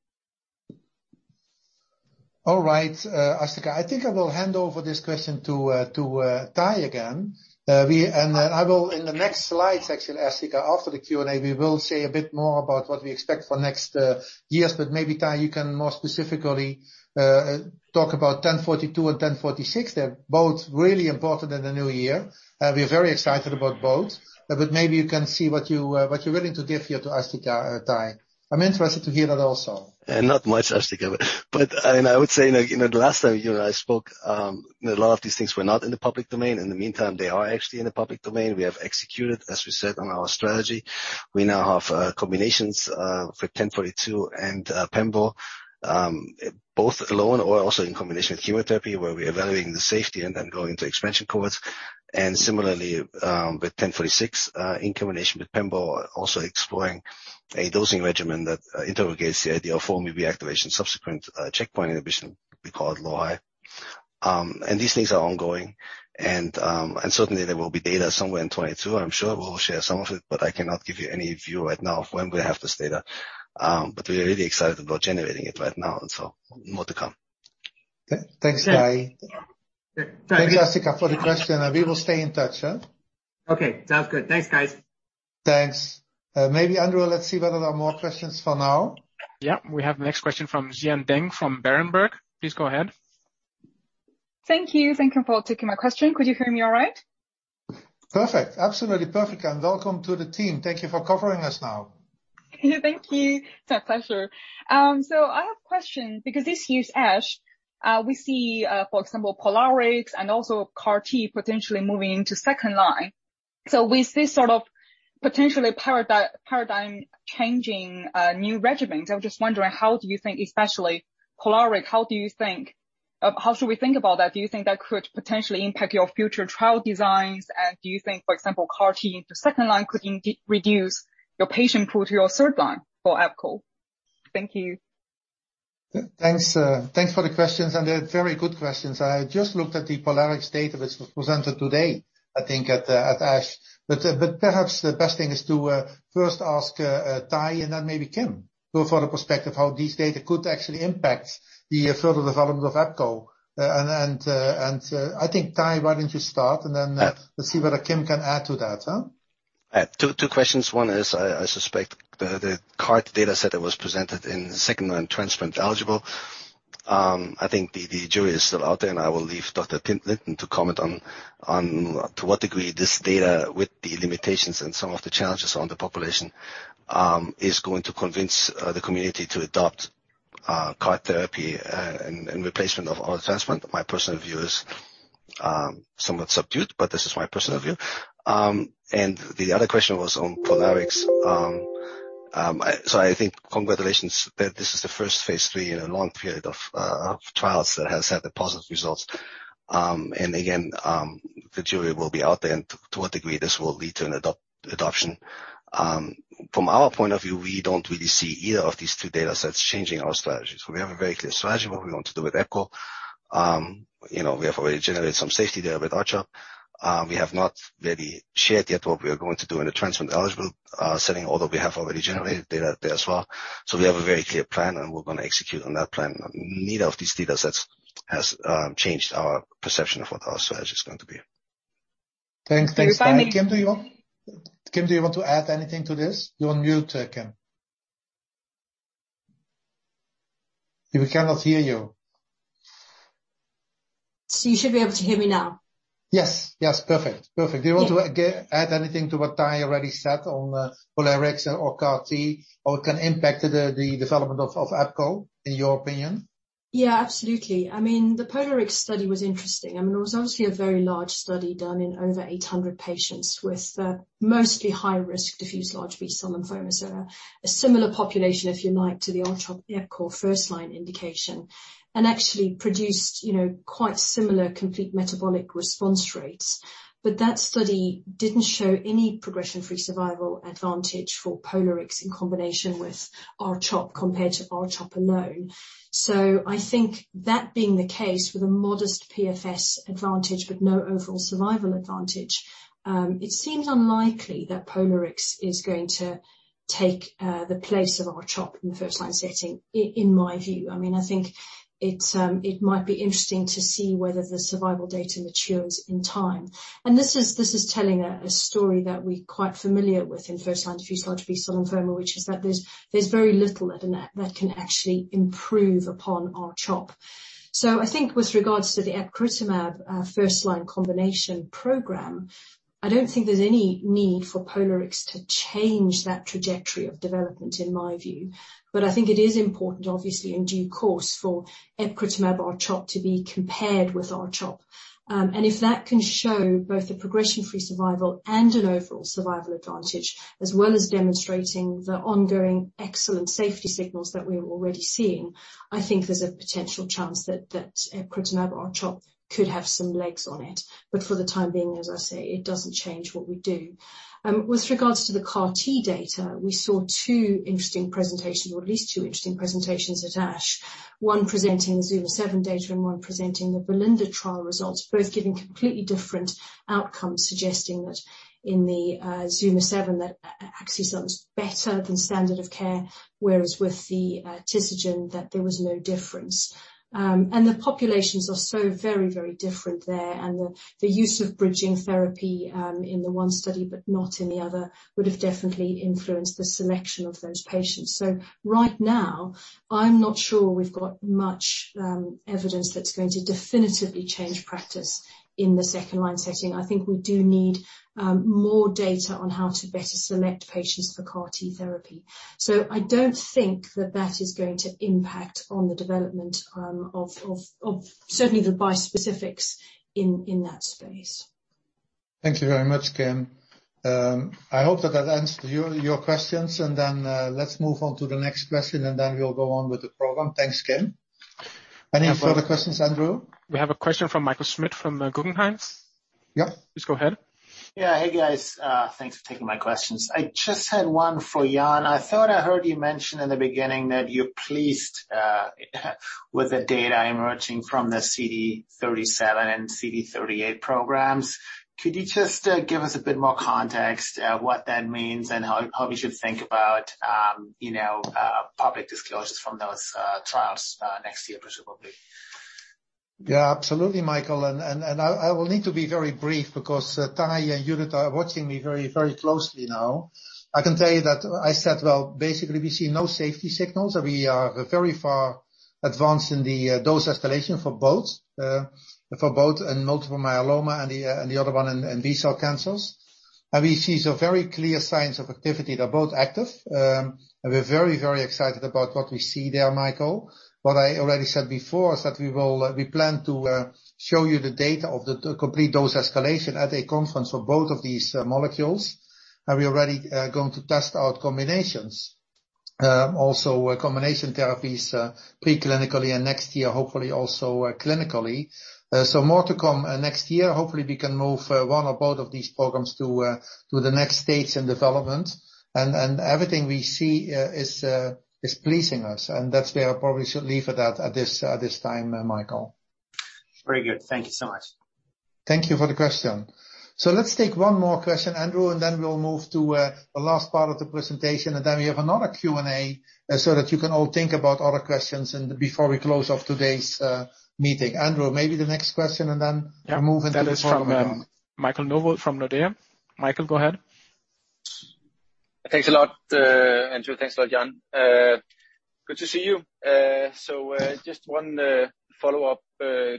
All right, Asthika. I think I will hand over this question to Tahi again. I will in the next slide section, Asthika, after the Q&A, we will say a bit more about what we expect for next years. Maybe, Tahi, you can more specifically talk about ten forty-two and ten forty-six. They're both really important in the new year, and we are very excited about both. Maybe you can see what you're willing to give here to Asthika, Tahi. I'm interested to hear that also. Not much, Asthika. I would say, you know, last time you and I spoke, a lot of these things were not in the public domain. In the meantime, they are actually in the public domain. We have executed, as we said, on our strategy. We now have combinations for 1042 and pembro, both alone or also in combination with chemotherapy, where we're evaluating the safety and then going into expansion cohorts. Similarly, with 1046 in combination with pembro, also exploring a dosing regimen that interrogates the idea of 4-1BB activation, subsequent checkpoint inhibition we call low-high. These things are ongoing, and certainly there will be data somewhere in 2022. I'm sure we'll share some of it, but I cannot give you any view right now of when we'll have this data. We're really excited about generating it right now, and so more to come. Okay. Thanks, Tahi. Thank you, Asthika, for the question. We will stay in touch, huh? Okay, sounds good. Thanks, guys. Thanks. Maybe, Andrew, let's see whether there are more questions for now. Yeah, we have next question from Xian Deng from Berenberg. Please go ahead. Thank you. Thank you for taking my question. Could you hear me all right? Perfect. Absolutely perfect. Welcome to the team. Thank you for covering us now. Thank you. It's a pleasure. I have questions because this year's ASH, we see, for example, POLARIX and also CAR T potentially moving into second line. With this sort of potentially paradigm changing new regimens, I was just wondering, how do you think, especially POLARIX, how should we think about that? Do you think that could potentially impact your future trial designs? Do you think, for example, CAR T into second line could reduce your patient pool to your third line for epcoritamab? Thank you. Thanks for the questions, and they're very good questions. I just looked at the POLARIX data that's presented today, I think at ASH. But perhaps the best thing is to first ask Tahi and then maybe Kim for the perspective how these data could actually impact the further development of epcoritamab. I think, Tahi, why don't you start, and then- Yeah. Let's see what Kim can add to that, huh? Two questions. One is I suspect the CAR T data set that was presented in second-line transplant-eligible. I think the jury is still out there, and I will leave Dr. Kim Linton to comment on to what degree this data with the limitations and some of the challenges on the population is going to convince the community to adopt CAR T therapy and replacement of auto transplant. My personal view is somewhat subdued, but this is my personal view. The other question was on POLARIX. I think congratulations that this is the first phase III in a long period of trials that has had the positive results. Again, the jury will be out there and to what degree this will lead to an adoption. From our point of view, we don't really see either of these two data sets changing our strategy. We have a very clear strategy what we want to do with epcoritamab. You know, we have already generated some safety data with R-CHOP. We have not really shared yet what we are going to do in a transplant-eligible setting, although we have already generated data there as well. We have a very clear plan, and we're gonna execute on that plan. Neither of these data sets has changed our perception of what our strategy is going to be. Thanks. Thanks, Tahi. Kim, do you want to add anything to this? You're on mute, Kim. We cannot hear you. You should be able to hear me now. Yes. Yes. Perfect. Perfect. Yeah. Do you want to add anything to what Tahi already said on POLARIX or CAR T, or it can impact the development of epco in your opinion? Yeah, absolutely. I mean, the POLARIX study was interesting. I mean, it was obviously a very large study done in over 800 patients with mostly high-risk diffuse large B-cell lymphoma. So a similar population, if you like, to the R-CHOP epcoritamab first-line indication, and actually produced, you know, quite similar complete metabolic response rates. But that study didn't show any progression-free survival advantage for POLARIX in combination with R-CHOP compared to R-CHOP alone. I think that being the case with a modest PFS advantage but no overall survival advantage, it seems unlikely that POLARIX is going to take the place of R-CHOP in the first-line setting, in my view. I mean, I think it might be interesting to see whether the survival data matures in time. This is telling a story that we're quite familiar with in first line diffuse large B-cell lymphoma, which is that there's very little that can actually improve upon R-CHOP. I think with regards to the epcoritamab first line combination program, I don't think there's any need for POLARIX to change that trajectory of development in my view. I think it is important, obviously, in due course for epcoritamab R-CHOP to be compared with R-CHOP. If that can show both the progression-free survival and an overall survival advantage, as well as demonstrating the ongoing excellent safety signals that we're already seeing, I think there's a potential chance that epcoritamab R-CHOP could have some legs on it. For the time being, as I say, it doesn't change what we do. With regards to the CAR T data, we saw two interesting presentations, or at least two interesting presentations at ASH. One presenting the ZUMA-7 data and one presenting the BELINDA trial results, both giving completely different outcomes suggesting that in the ZUMA-7, that axicabtagene ciloleucel is better than standard of care, whereas with the tisagenlecleucel that there was no difference. The populations are so very, very different there. The use of bridging therapy in the one study but not in the other would have definitely influenced the selection of those patients. Right now, I'm not sure we've got much evidence that's going to definitively change practice in the second line setting. I think we do need more data on how to better select patients for CAR T therapy. I don't think that is going to impact on the development of certainly the bispecifics in that space. Thank you very much, Kim. I hope that answered your questions, and then, let's move on to the next question, and then we'll go on with the program. Thanks, Kim. Any further questions, Andrew? We have a question from Michael Schmidt from Guggenheim. Yep. Please go ahead. Yeah. Hey, guys. Thanks for taking my questions. I just had one for Jan. I thought I heard you mention in the beginning that you're pleased with the data emerging from the CD37 and CD38 programs. Could you just give us a bit more context, what that means and how we should think about, you know, public disclosures from those trials next year, presumably? Yeah, absolutely, Michael. I will need to be very brief because Tahi and Judith are watching me very closely now. I can tell you that I said, well, basically we see no safety signals. We are very far advanced in the dose escalation for both in multiple myeloma and the other one in B-cell cancers. We see some very clear signs of activity. They're both active. We're very excited about what we see there, Michael. What I already said before is that we will, we plan to show you the data of the complete dose escalation at a conference for both of these molecules. We're already going to test out combinations. Also combination therapies preclinically and next year, hopefully also clinically. More to come next year. Hopefully, we can move one or both of these programs to the next stage in development. Everything we see is pleasing us. That's where we probably should leave it at this time, Michael. Very good. Thank you so much. Thank you for the question. Let's take one more question, Andrew, and then we'll move to the last part of the presentation, and then we have another Q&A so that you can all think about other questions and before we close off today's meeting. Andrew, maybe the next question, and then. Yeah. We move into the program. That is from, Michael Novod from Nordea. Michael, go ahead. Thanks a lot, Andrew. Thanks a lot, Jan. Good to see you. Just one follow-up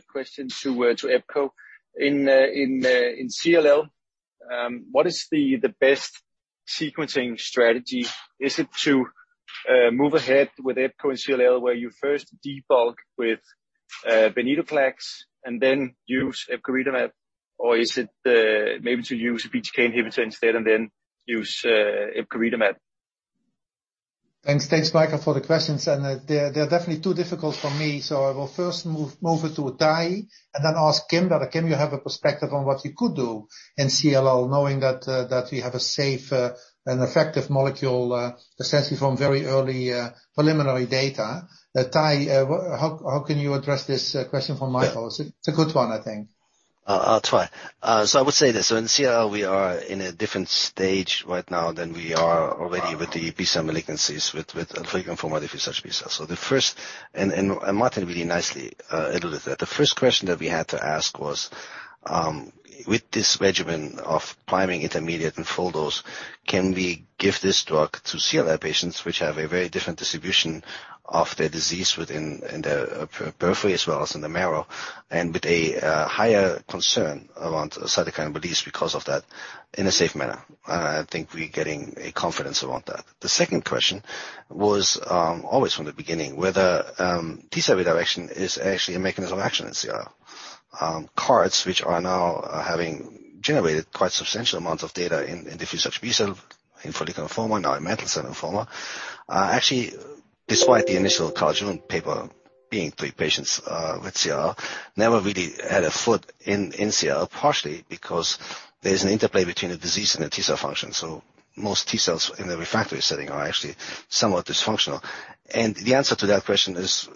question to epcoritamab. In CLL, what is the best sequencing strategy? Is it to move ahead with epcoritamab in CLL, where you first debulk with venetoclax and then use epcoritamab? Or is it maybe to use a BTK inhibitor instead and then use epcoritamab? Thanks. Thanks, Michael, for the questions. They're definitely too difficult for me, so I will first move it to Tahi and then ask Kim. Kim, you have a perspective on what you could do in CLL, knowing that we have a safe and effective molecule, essentially from very early preliminary data. Tahi, how can you address this question from Michael? Yeah. It's a good one, I think. I'll try. I would say this. In CLL, we are in a different stage right now than we are already with the B-cell malignancies, with aggressive and transformed large B cells. Martin really nicely handled it, that the first question that we had to ask was, with this regimen of priming, intermediate, and full dose, can we give this drug to CLL patients which have a very different distribution of their disease within the periphery as well as in the marrow, and with a higher concern around cytokine release because of that in a safe manner? I think we're gaining confidence around that. The second question was always from the beginning, whether T-cell redirection is actually a mechanism of action in CLL. CAR-Ts, which are now having generated quite substantial amounts of data in diffuse large B-cell, in follicular lymphoma, now in mantle cell lymphoma, actually despite the initial Carl June paper being three patients with CLL, never really had a foot in CLL, partially because there's an interplay between the disease and the T-cell function. Most T-cells in the refractory setting are actually somewhat dysfunctional. The answer to that question is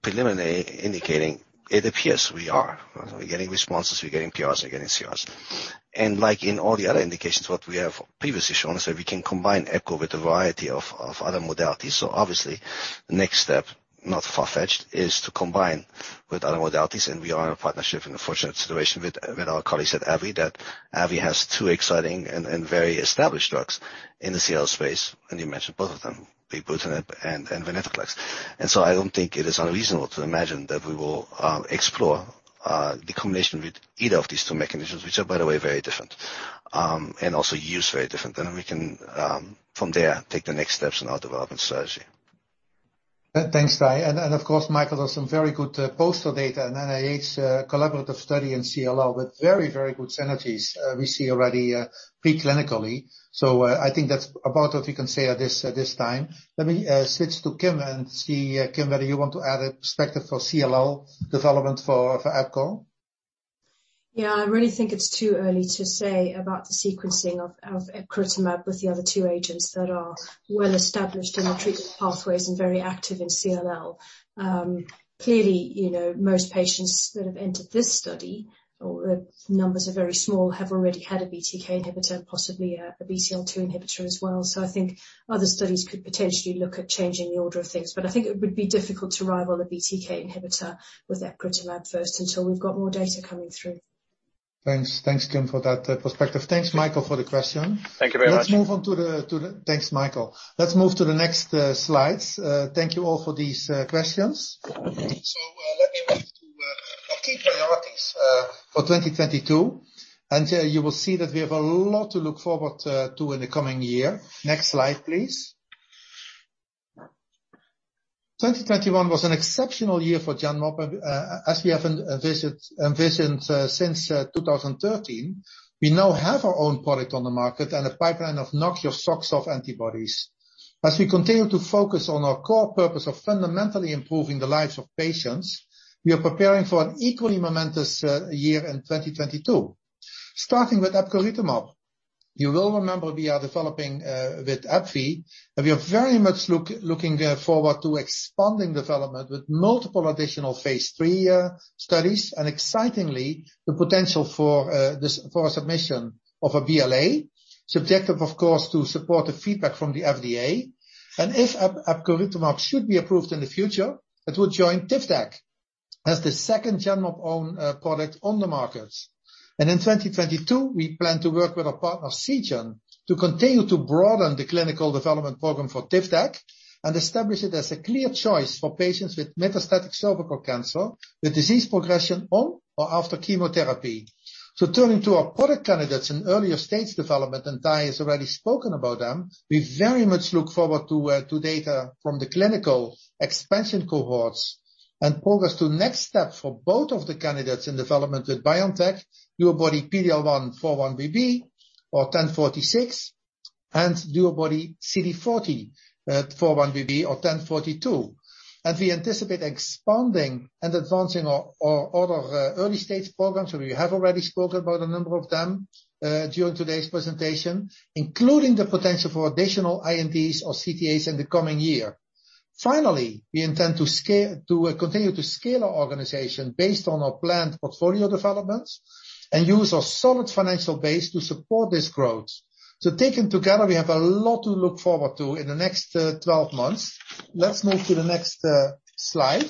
preliminary indicating it appears we are. We're getting responses, we're getting PRs, we're getting CRs. Like in all the other indications what we have previously shown, we can combine epcoritamab with a variety of other modalities. Obviously, the next step, not far-fetched, is to combine with other modalities, and we are in a partnership, in a fortunate situation with our colleagues at AbbVie, that AbbVie has two exciting and very established drugs in the CLL space, and you mentioned both of them, ibrutinib and venetoclax. I don't think it is unreasonable to imagine that we will explore the combination with either of these two mechanisms, which are, by the way, very different, and also used very different. We can, from there, take the next steps in our development strategy. Thanks, Tahi. Of course, Michael, there's some very good poster data in NIH collaborative study in CLL with very good synergies we see already pre-clinically. I think that's about what we can say at this time. Let me switch to Kim and see, Kim, whether you want to add a perspective for CLL development for epcoritamab. Yeah. I really think it's too early to say about the sequencing of epcoritamab with the other two agents that are well established in the treatment pathways and very active in CLL. Clearly, you know, most patients that have entered this study, or the numbers are very small, have already had a BTK inhibitor and possibly a BCL-2 inhibitor as well. I think other studies could potentially look at changing the order of things. I think it would be difficult to rival a BTK inhibitor with epcoritamab first until we've got more data coming through. Thanks. Thanks, Kim, for that perspective. Thanks, Michael, for the question. Thank you very much. Let's move on to the. Thanks, Michael. Let's move to the next slides. Thank you all for these questions. Let me move to our key priorities for 2022. You will see that we have a lot to look forward to in the coming year. Next slide, please. 2021 was an exceptional year for Genmab as we have envisioned since 2013. We now have our own product on the market and a pipeline of knock-your-socks-off antibodies. As we continue to focus on our core purpose of fundamentally improving the lives of patients, we are preparing for an equally momentous year in 2022. Starting with epcoritamab, you will remember we are developing with AbbVie, and we are very much looking therefore to expanding development with multiple additional phase III studies. Excitingly, the potential for a submission of a BLA, subject of course to supportive feedback from the FDA. If epcoritamab should be approved in the future, it will join TIVDAK as the second Genmab own product on the market. In 2022, we plan to work with our partner Seagen to continue to broaden the clinical development program for TIVDAK and establish it as a clear choice for patients with metastatic cervical cancer, with disease progression on or after chemotherapy. Turning to our product candidates in earlier stages development, and Tai has already spoken about them. We very much look forward to data from the clinical expansion cohorts and progress to next steps for both of the candidates in development with BioNTech, DuoBody-PD-L1x4-1BB or GEN1046, and DuoBody-CD40x4-1BB or GEN1042. We anticipate expanding and advancing our other early-stage programs. We have already spoken about a number of them during today's presentation, including the potential for additional INDs or CTAs in the coming year. Finally, we intend to continue to scale our organization based on our planned portfolio developments and use our solid financial base to support this growth. Taken together, we have a lot to look forward to in the next 12 months. Let's move to the next slide.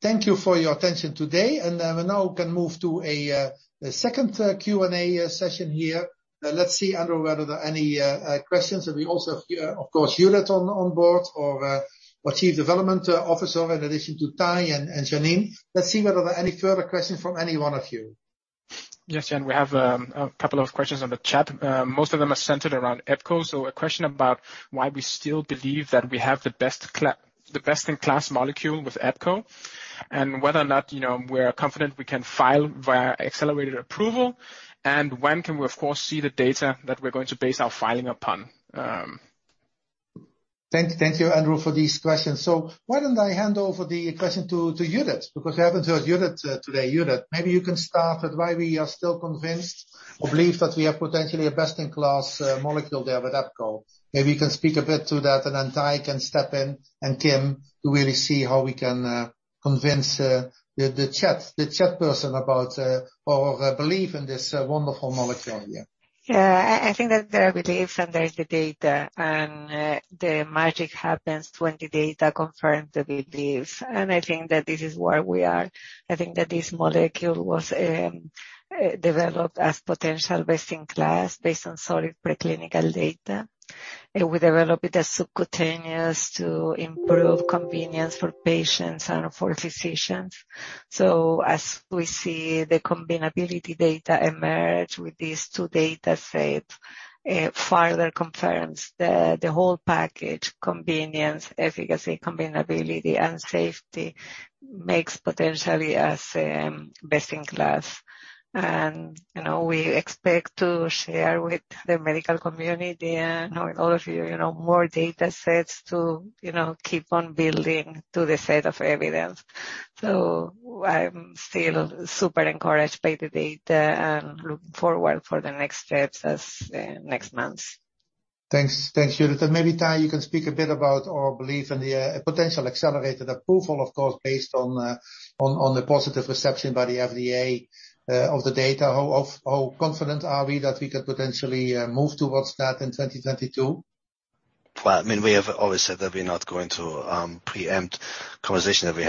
Thank you for your attention today, and we now can move to a second Q&A session here. Let's see, Andrew, whether there are any questions. We also have here, of course, Judith on board, our Chief Development Officer in addition to Tahi and Janine. Let's see whether there are any further questions from any one of you. Yes, Jan, we have a couple of questions on the chat. Most of them are centered around Epco. A question about why we still believe that we have the best-in-class molecule with Epco and whether or not, you know, we're confident we can file via accelerated approval, and when can we of course see the data that we're going to base our filing upon? Thank you, Andrew, for these questions. Why don't I hand over the question to Judith? Because we haven't heard Judith today. Judith, maybe you can start with why we are still convinced or believe that we have potentially a best-in-class molecule there with epcoritamab. Maybe you can speak a bit to that, and then Tahi can step in and Kim to really see how we can convince the chat person about our belief in this wonderful molecule here. Yeah. I think that there are beliefs and there is the data, and the magic happens when the data confirms the beliefs. I think that this is where we are. I think that this molecule was developed as potential best-in-class based on solid preclinical data. We developed it as subcutaneous to improve convenience for patients and for physicians. As we see the combinability data emerge with these two datasets, it further confirms the whole package, convenience, efficacy, combinability and safety makes potentially as best-in-class. We expect to share with the medical community and with all of you know, more datasets to keep on building to the set of evidence. I'm still super encouraged by the data and looking forward for the next steps as next months. Thanks. Thanks, Judith. Maybe, Tahi, you can speak a bit about our belief in the potential accelerated approval, of course, based on the positive reception by the FDA of the data. How confident are we that we could potentially move towards that in 2022? Well, I mean, we have always said that we're not going to preempt conversations that we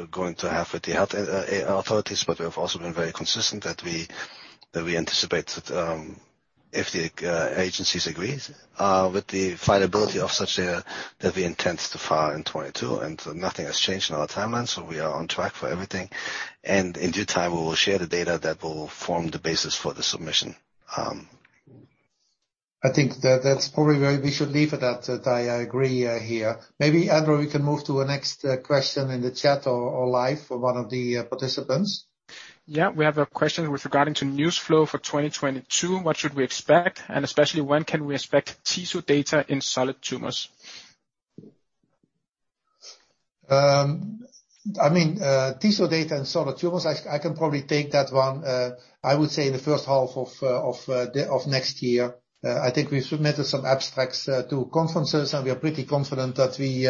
are going to have with the health authorities. We have also been very consistent that we anticipate that if the agency agrees with the fileability of such a that we intend to file in 2022. Nothing has changed in our timelines, so we are on track for everything. In due time, we will share the data that will form the basis for the submission. I think that's probably where we should leave it at, Tahi. I agree, here. Maybe, Andrew, we can move to a next question in the chat or live for one of the participants. Yeah. We have a question with regard to news flow for 2022. What should we expect? Especially when can we expect tisotumab data in solid tumors? I mean, tisotumab data in solid tumors, I can probably take that one. I would say in the first half of next year. I think we've submitted some abstracts to conferences, and we are pretty confident that we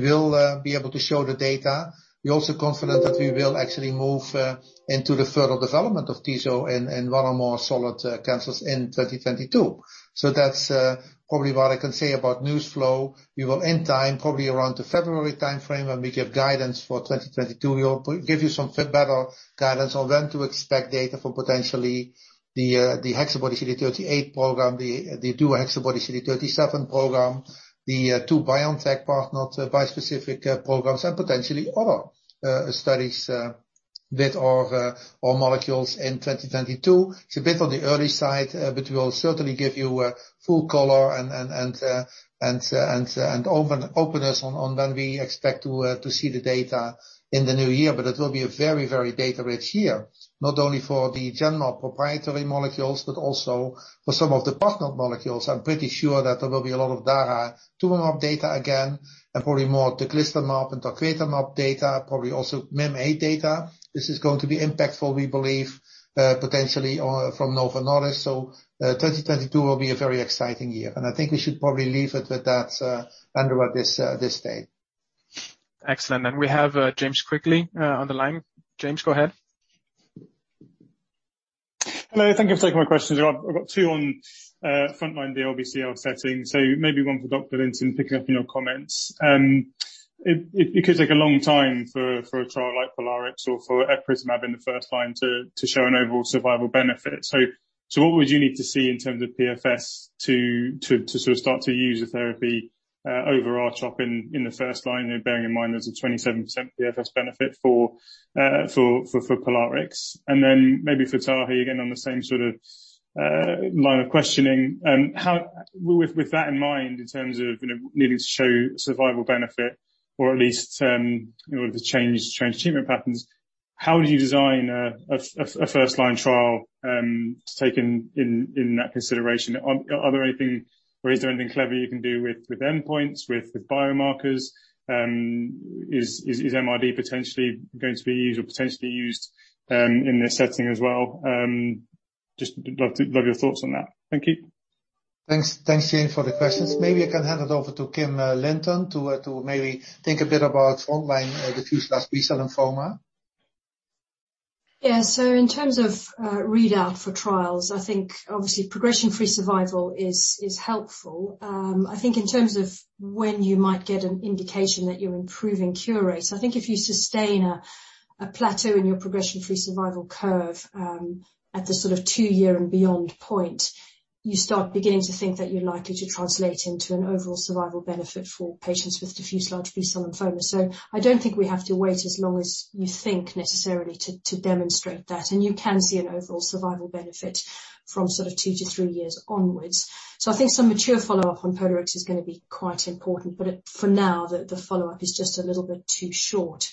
will be able to show the data. We're also confident that we will actually move into the further development of tisotumab in one or more solid cancers in 2022. That's probably what I can say about news flow. We will, in time, probably around the February timeframe when we give guidance for 2022, we will give you some better guidance on when to expect data for potentially the HexaBody-CD38 program, the DuoHexaBody-CD37 program, the two BioNTech partner bispecific programs and potentially other studies with our molecules in 2022. It's a bit on the early side, but we'll certainly give you full color and openness on when we expect to see the data in the new year. It will be a very data-rich year, not only for the Genmab proprietary molecules, but also for some of the partner molecules. I'm pretty sure that there will be a lot of data, tumor map data again, and probably more teclistamab and talquetamab data, probably also Mim8 data. This is going to be impactful, we believe, potentially or from Novo Nordisk. 2022 will be a very exciting year. I think we should probably leave it with that, Andrew, at this stage. Excellent. We have James Quigley on the line. James, go ahead. Hello. Thank you for taking my questions. I've got two on frontline DLBCL setting, so maybe one for Dr. Linton, picking up on your comments. It could take a long time for a trial like POLARIX or for epcoritamab in the first-line to show an overall survival benefit. What would you need to see in terms of PFS to sort of start to use a therapy of R-CHOP in the first-line, you know, bearing in mind there's a 27% PFS benefit for POLARIX? Maybe for Tahi, again, on the same sort of line of questioning. With that in mind, in terms of, you know, needing to show survival benefit or at least in order to change treatment patterns, how do you design a first line trial, taking in that consideration? Is there anything clever you can do with endpoints, with biomarkers? Is MRD potentially going to be used in this setting as well? Just love your thoughts on that. Thank you. Thanks, James, for the questions. Maybe I can hand it over to Kim Linton to maybe think a bit about frontline diffuse large B-cell lymphoma. Yeah. In terms of readout for trials, I think obviously progression-free survival is helpful. I think in terms of when you might get an indication that you're improving cure rates, I think if you sustain a plateau in your progression-free survival curve at the sort of two-year and beyond point, you start beginning to think that you're likely to translate into an overall survival benefit for patients with diffuse large B-cell lymphoma. I don't think we have to wait as long as you think necessarily to demonstrate that. You can see an overall survival benefit from sort of two to three years onwards. I think some mature follow-up on POLARIX is gonna be quite important, but for now, the follow-up is just a little bit too short.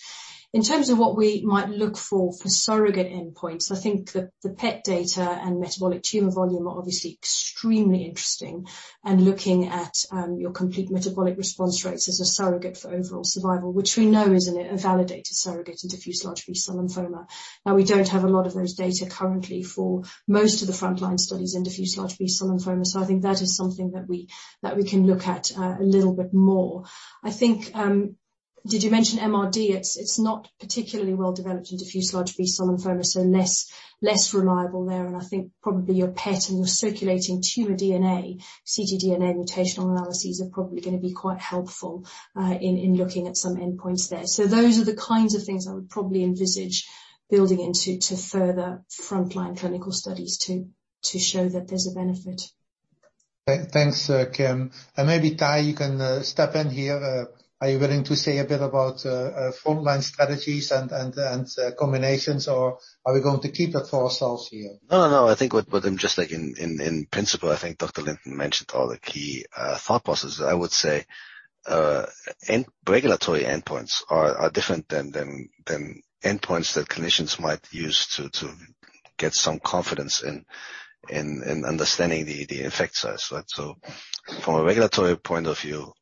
In terms of what we might look for for surrogate endpoints, I think the PET data and metabolic tumor volume are obviously extremely interesting and looking at your complete metabolic response rates as a surrogate for overall survival, which we know isn't a validated surrogate in diffuse large B-cell lymphoma. Now, we don't have a lot of those data currently for most of the frontline studies in diffuse large B-cell lymphoma. So I think that is something that we can look at a little bit more. I think did you mention MRD? It's not particularly well developed in diffuse large B-cell lymphoma, so less reliable there, and I think probably your PET and your circulating tumor DNA, ctDNA mutational analyses are probably gonna be quite helpful in looking at some endpoints there. Those are the kinds of things I would probably envisage building into further frontline clinical studies to show that there's a benefit. Thanks, Kim. Maybe, Tahi, you can step in here. Are you willing to say a bit about frontline strategies and combinations, or are we going to keep it for ourselves here? No, no. I think what I'm just thinking in principle, I think Dr. Linton mentioned all the key thought processes. I would say and regulatory endpoints are different than endpoints that clinicians might use to get some confidence in understanding the effect size, right? From a regulatory point of view,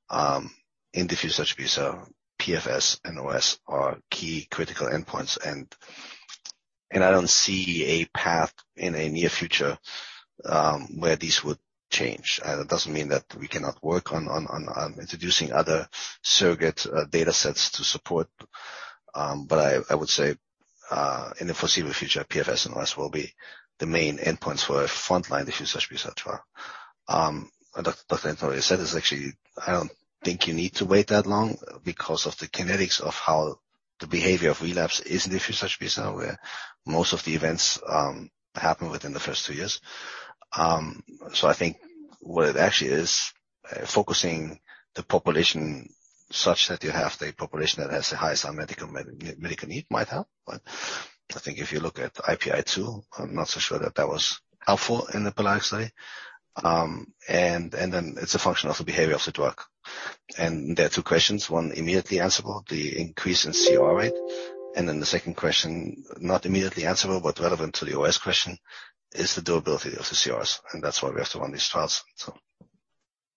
in diffuse large B-cell, PFS and OS are key critical endpoints, and I don't see a path in a near future where these would change. That doesn't mean that we cannot work on introducing other surrogate datasets to support. But I would say in the foreseeable future, PFS and OS will be the main endpoints for a frontline diffuse large B-cell trial. Dr. Linton already said this actually. I don't think you need to wait that long because of the kinetics of how the behavior of relapse is in diffuse large B-cell, where most of the events happen within the first two years. I think what it actually is focusing the population such that you have the population that has the highest unmet medical need might help. But I think if you look at IPI 2, I'm not so sure that that was helpful in the POLARIX study. And then it's a function of the behavior of the drug. There are two questions, one immediately answerable, the increase in CR rate, and then the second question, not immediately answerable but relevant to the OS question, is the durability of the CRs, and that's why we have to run these trials.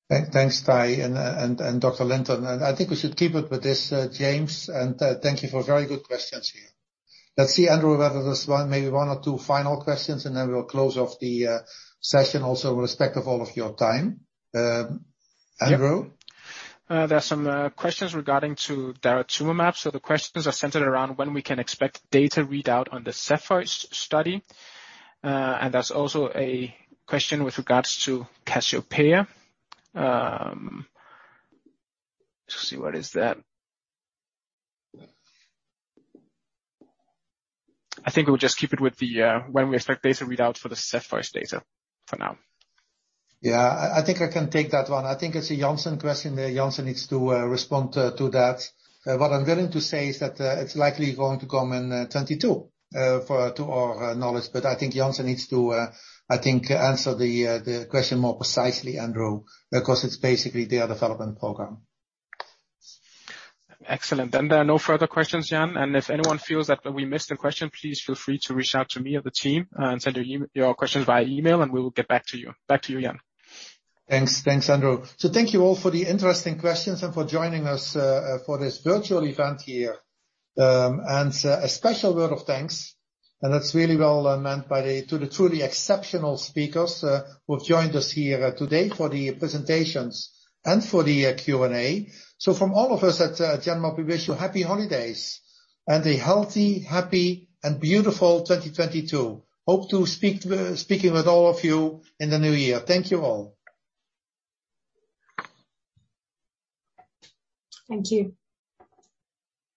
Thanks, Tahi and Dr. Linton. I think we should keep it with this, James, thank you for very good questions here. Let's see, Andrew, whether there's one maybe one or two final questions, and then we will close off the session also with respect of all of your time. Andrew? Yep. There are some questions regarding to daratumumab. The questions are centered around when we can expect data readout on the CEPHEUS study. There's also a question with regards to CASSIOPEIA. I think we'll just keep it with the when we expect data readout for the CEPHEUS data for now. Yeah. I think I can take that one. I think it's a Janssen question there. Janssen needs to respond to that. What I'm willing to say is that it's likely going to come in 2022, to our knowledge. But I think Janssen needs to answer the question more precisely, Andrew. 'Cause it's basically their development program. Excellent. There are no further questions, Jan. If anyone feels that we missed a question, please feel free to reach out to me or the team, and send your questions via email, and we will get back to you. Back to you, Jan. Thanks. Thanks, Andrew. Thank you all for the interesting questions and for joining us for this virtual event here. A special word of thanks, and that's really well meant, to the truly exceptional speakers who have joined us here today for the presentations and for the Q&A. From all of us at Genmab, we wish you happy holidays and a healthy, happy, and beautiful 2022. Hope to speak with all of you in the new year. Thank you all. Thank you.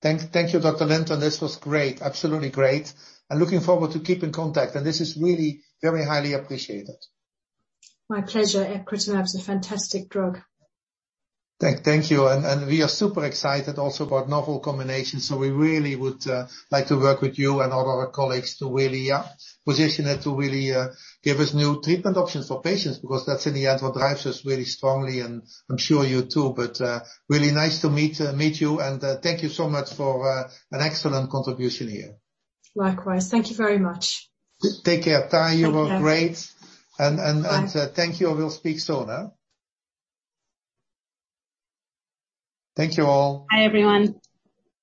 Thanks. Thank you, Dr. Linton. This was great. Absolutely great. Looking forward to keeping contact. This is really very highly appreciated. My pleasure. Epcoritamab's a fantastic drug. Thank you. We are super excited also about novel combinations, so we really would like to work with you and all of our colleagues to really position it, to really give us new treatment options for patients, because that's in the end what drives us really strongly, and I'm sure you too. Really nice to meet you, and thank you so much for an excellent contribution here. Likewise. Thank you very much. Take care. Tahi, you were great. Thank you. Bye. Thank you. We'll speak soon, huh? Thank you all. Bye, everyone.